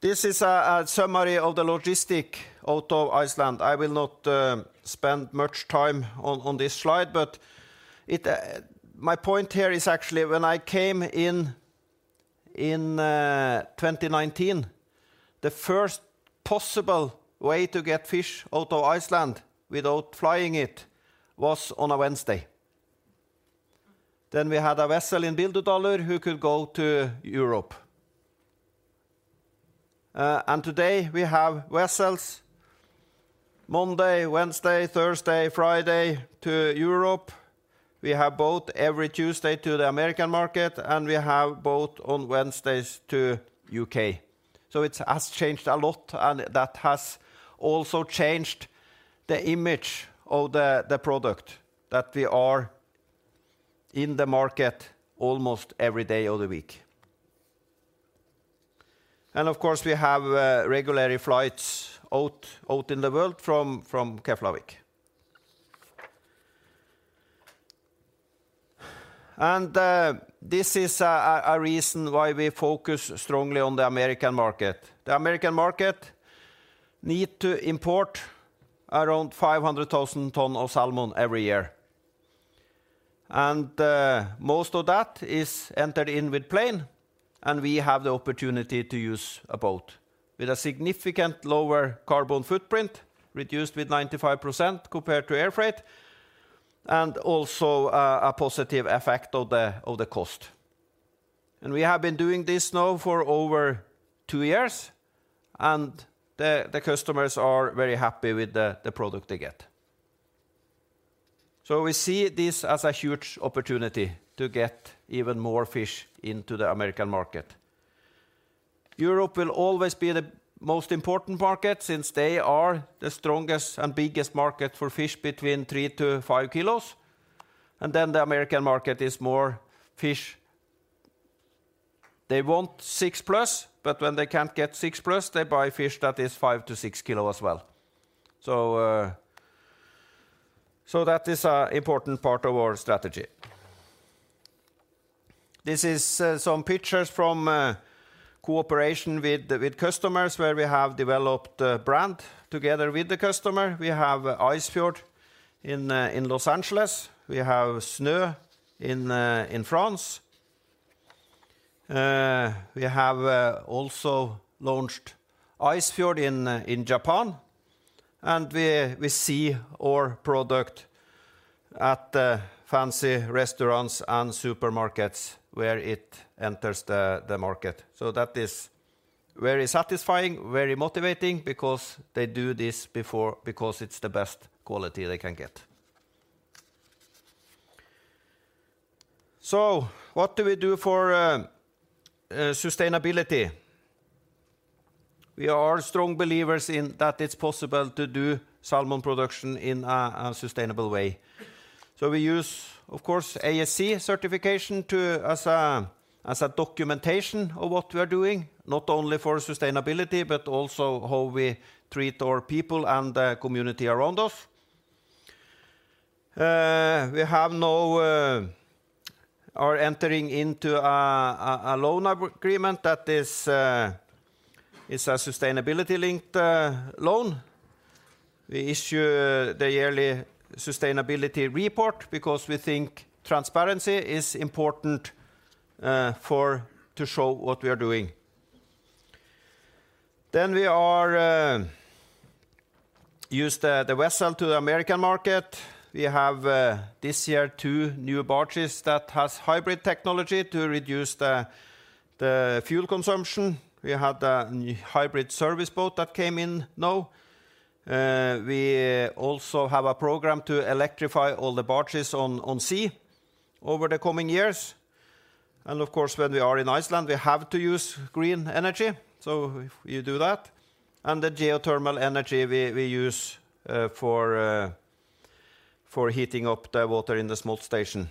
This is a summary of the logistic out of Iceland. I will not spend much time on this slide, but my point here is actually when I came in 2019, the first possible way to get fish out of Iceland without flying it was on a Wednesday. Then we had a vessel in Bíldudalur who could go to Europe. And today we have vessels Monday, Wednesday, Thursday, Friday to Europe. We have boat every Tuesday to the American market, and we have boat on Wednesdays to UK. So it has changed a lot, and that has also changed the image of the product that we are in the market almost every day of the week. And of course, we have regular flights out in the world from Keflavik. And this is a reason why we focus strongly on the American market. The American market needs to import around 500,000 tons of salmon every year. Most of that is entered in with plane, and we have the opportunity to use a boat with a significant lower carbon footprint, reduced with 95% compared to air freight, and also a positive effect of the cost. And we have been doing this now for over 2 years, and the customers are very happy with the product they get. So we see this as a huge opportunity to get even more fish into the American market. Europe will always be the most important market, since they are the strongest and biggest market for fish between 3-5 kilos, and then the American market is more fish. They want 6+, but when they can't get 6+, they buy fish that is 5-6 kilo as well. So, so that is an important part of our strategy. This is, some pictures from a cooperation with the, with customers, where we have developed a brand together with the customer. We have Icefjord in, in Los Angeles. We have Snøe in, in France. We have, also launched Icefjord in, in Japan, and we, we see our product at the fancy restaurants and supermarkets where it enters the, the market. So that is very satisfying, very motivating because they do this before, because it's the best quality they can get. So what do we do for, sustainability? We are strong believers in that it's possible to do salmon production in a, sustainable way. We use, of course, ASC certification as a documentation of what we are doing, not only for sustainability, but also how we treat our people and the community around us. We are entering into a loan agreement that is a sustainability-linked loan. We issue the yearly sustainability report because we think transparency is important to show what we are doing. We use the vessel to the American market. We have, this year, two new barges that have hybrid technology to reduce the fuel consumption. We have the new hybrid service boat that came in now. We also have a program to electrify all the barges on sea over the coming years. Of course, when we are in Iceland, we have to use green energy, so we do that. The geothermal energy we use for heating up the water in the smolt station.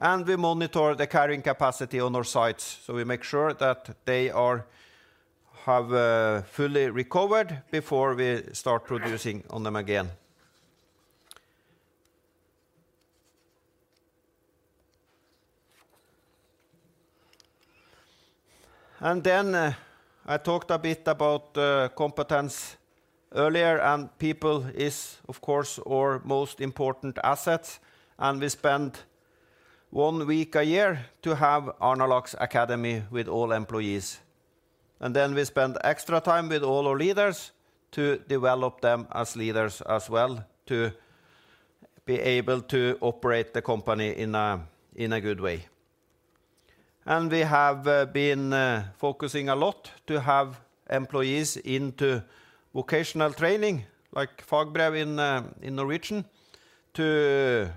We monitor the carrying capacity on our sites, so we make sure that they have fully recovered before we start producing on them again. Then I talked a bit about the competence earlier, and people is, of course, our most important assets, and we spend one week a year to have Arnarlax Academy with all employees. Then we spend extra time with all our leaders to develop them as leaders as well, to be able to operate the company in a good way. And we have been focusing a lot to have employees into vocational training, like Fagbrev in in Norwegian, to,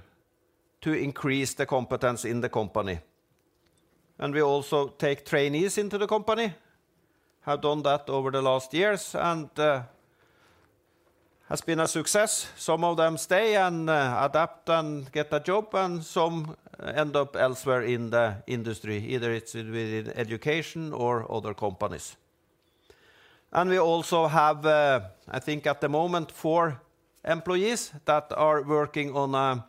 to increase the competence in the company. And we also take trainees into the company, have done that over the last years, and has been a success. Some of them stay and adapt and get a job, and some end up elsewhere in the industry, either it's with education or other companies. And we also have, I think at the moment, four employees that are working on a,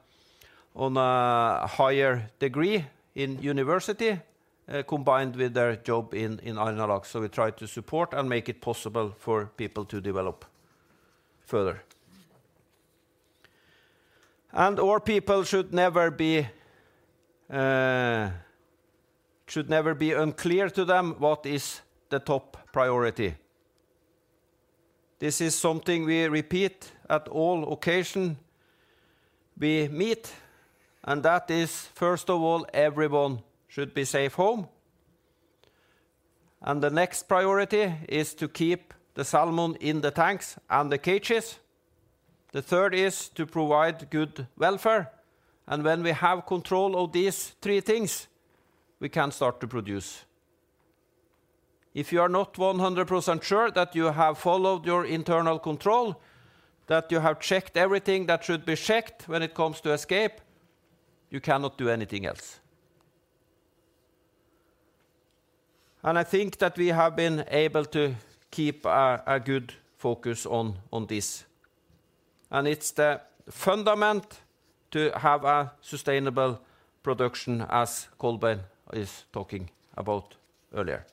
on a higher degree in university, combined with their job in in Arnarlax. So we try to support and make it possible for people to develop further. And our people should never be, should never be unclear to them what is the top priority. This is something we repeat at all occasions we meet, and that is, first of all, everyone should be safely home. The next priority is to keep the salmon in the tanks and the cages. The third is to provide good welfare, and when we have control of these three things, we can start to produce. If you are not 100% sure that you have followed your internal control, that you have checked everything that should be checked when it comes to escape, you cannot do anything else. And I think that we have been able to keep a good focus on this. And it's the foundation to have a sustainable production, as Kolbeinn is talking about earlier.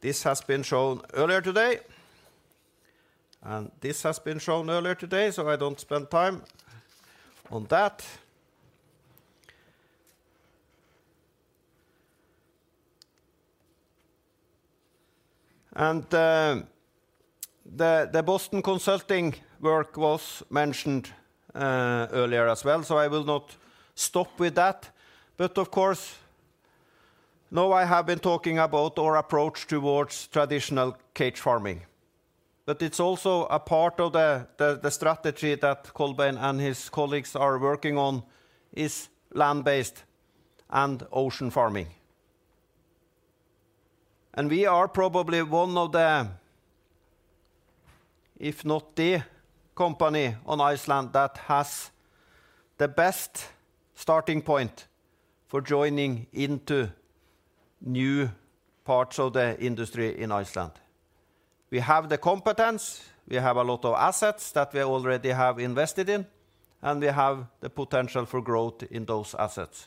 This has been shown earlier today, and this has been shown earlier today, so I don't spend time on that. The Boston Consulting work was mentioned earlier as well, so I will not stop with that. But of course, now I have been talking about our approach towards traditional cage farming. But it's also a part of the strategy that Kolbeinn and his colleagues are working on, is land-based and ocean farming. And we are probably one of the, if not the company on Iceland, that has the best starting point for joining into new parts of the industry in Iceland. We have the competence, we have a lot of assets that we already have invested in, and we have the potential for growth in those assets.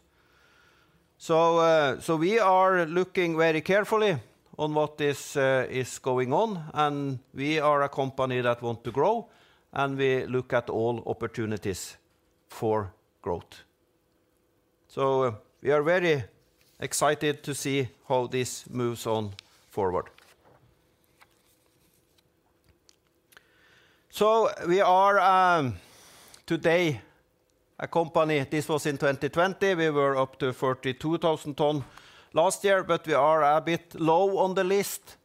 So we are looking very carefully on what is going on, and we are a company that want to grow, and we look at all opportunities for growth. So we are very excited to see how this moves on forward. So we are today a company; this was in 2020. We were up to 42,000 tons last year, but we are a bit low on the list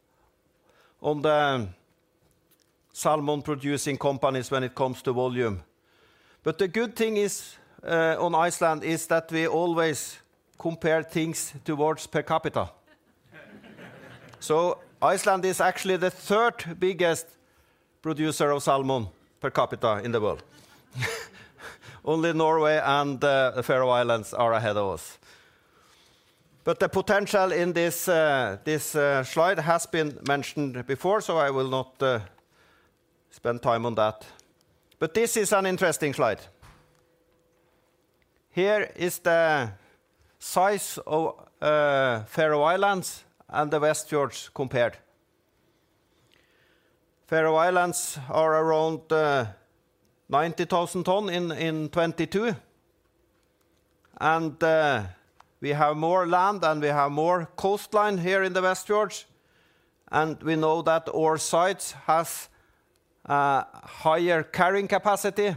on the salmon producing companies when it comes to volume. But the good thing is on Iceland is that we always compare things towards per capita. So Iceland is actually the third biggest producer of salmon per capita in the world. Only Norway and the Faroe Islands are ahead of us. But the potential in this slide has been mentioned before, so I will not spend time on that. But this is an interesting slide. Here is the size of Faroe Islands and the Westfjords compared. Faroe Islands are around 90,000 tons in 2022, and we have more land and we have more coastline here in the Westfjords, and we know that our sites has a higher carrying capacity.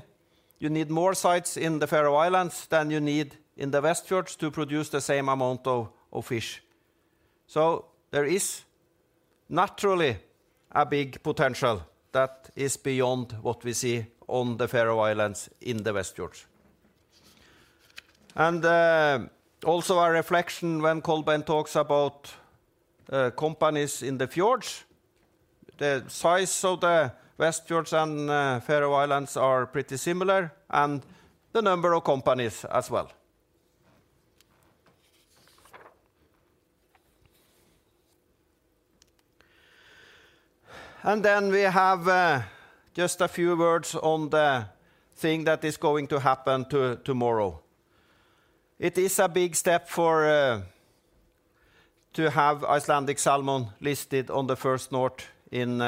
You need more sites in the Faroe Islands than you need in the Westfjords to produce the same amount of fish. So there is naturally a big potential that is beyond what we see on the Faroe Islands in the Westfjords. And also a reflection when Kolbeinn talks about companies in the fjords, the size of the Westfjords and Faroe Islands are pretty similar, and the number of companies as well. And then we have just a few words on the thing that is going to happen to- tomorrow. It is a big step for to have Icelandic Salmon listed on the First North in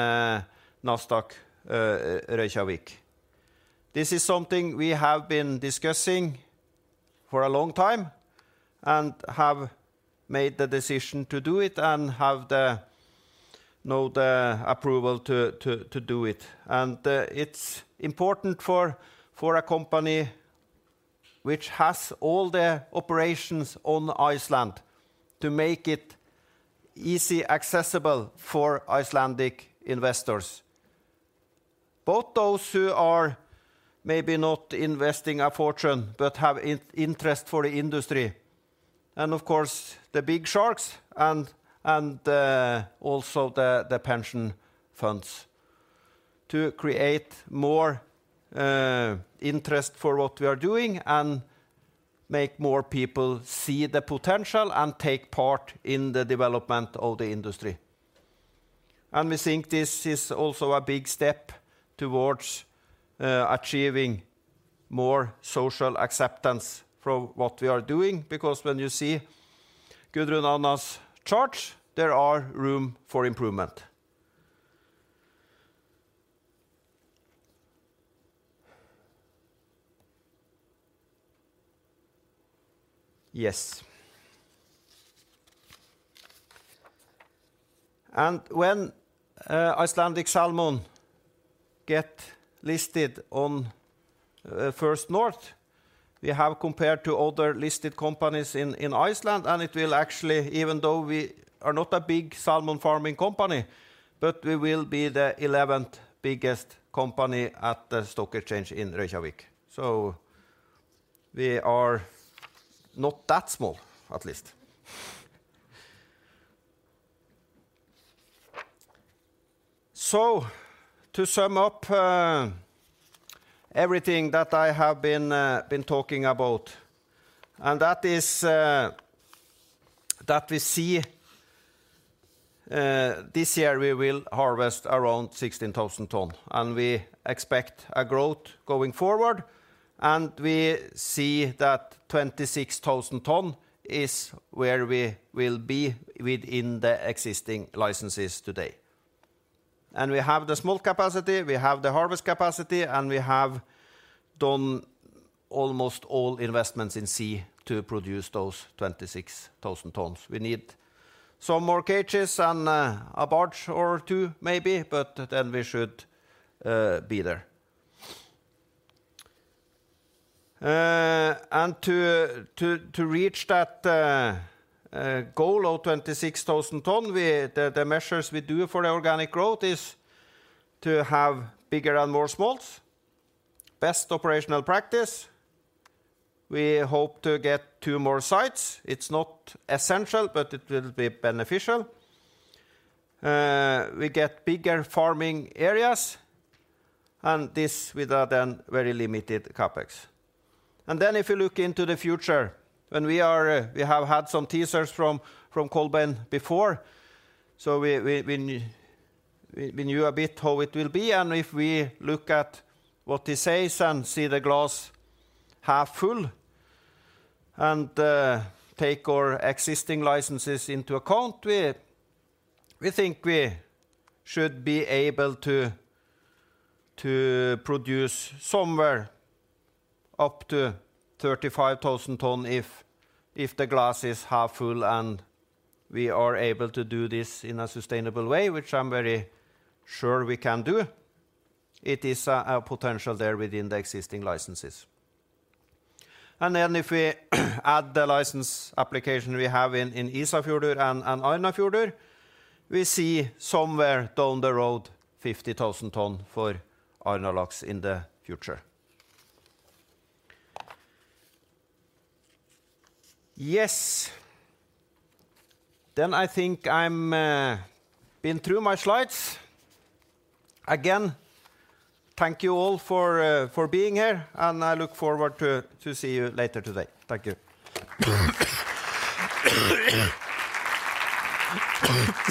Nasdaq Reykjavík. This is something we have been discussing for a long time, and have made the decision to do it, and have now the approval to do it. And it's important for a company which has all their operations on Iceland to make it easy, accessible for Icelandic investors. Both those who are maybe not investing a fortune, but have interest for the industry, and of course, the big sharks and also the pension funds, to create more interest for what we are doing and make more people see the potential and take part in the development of the industry. We think this is also a big step towards achieving more social acceptance for what we are doing, because when you see Guðrún Anna's charts, there are room for improvement. Yes. And when Icelandic Salmon get listed on First North, we have compared to other listed companies in Iceland, and it will actually, even though we are not a big salmon farming company, but we will be the eleventh biggest company at the stock exchange in Reykjavík. So we are not that small, at least. So to sum up, everything that I have been talking about, and that is, that we see this year we will harvest around 16,000 ton, and we expect a growth going forward, and we see that 26,000 ton is where we will be within the existing licenses today. We have the smolt capacity, we have the harvest capacity, and we have done almost all investments in sea to produce those 26,000 tons. We need some more cages and a barge or two, maybe, but then we should be there. And to reach that goal of 26,000 ton, the measures we do for the organic growth is to have bigger and more smolts, best operational practice. We hope to get 2 more sites. It's not essential, but it will be beneficial. We get bigger farming areas, and this with a then very limited CapEx. Then if you look into the future, when we are... We have had some teasers from Kolbeinn before, so we knew a bit how it will be, and if we look at what he says and see the glass half full, and take our existing licenses into account, we think we should be able to produce somewhere up to 35,000 tons if the glass is half full, and we are able to do this in a sustainable way, which I'm very sure we can do. It is a potential there within the existing licenses. And then if we add the license application we have in Ísafjörður and Arnarfjörður, we see somewhere down the road 50,000 tons for Arnarlax in the future. Yes. Then I think I've been through my slides. Again, thank you all for being here, and I look forward to see you later today. Thank you.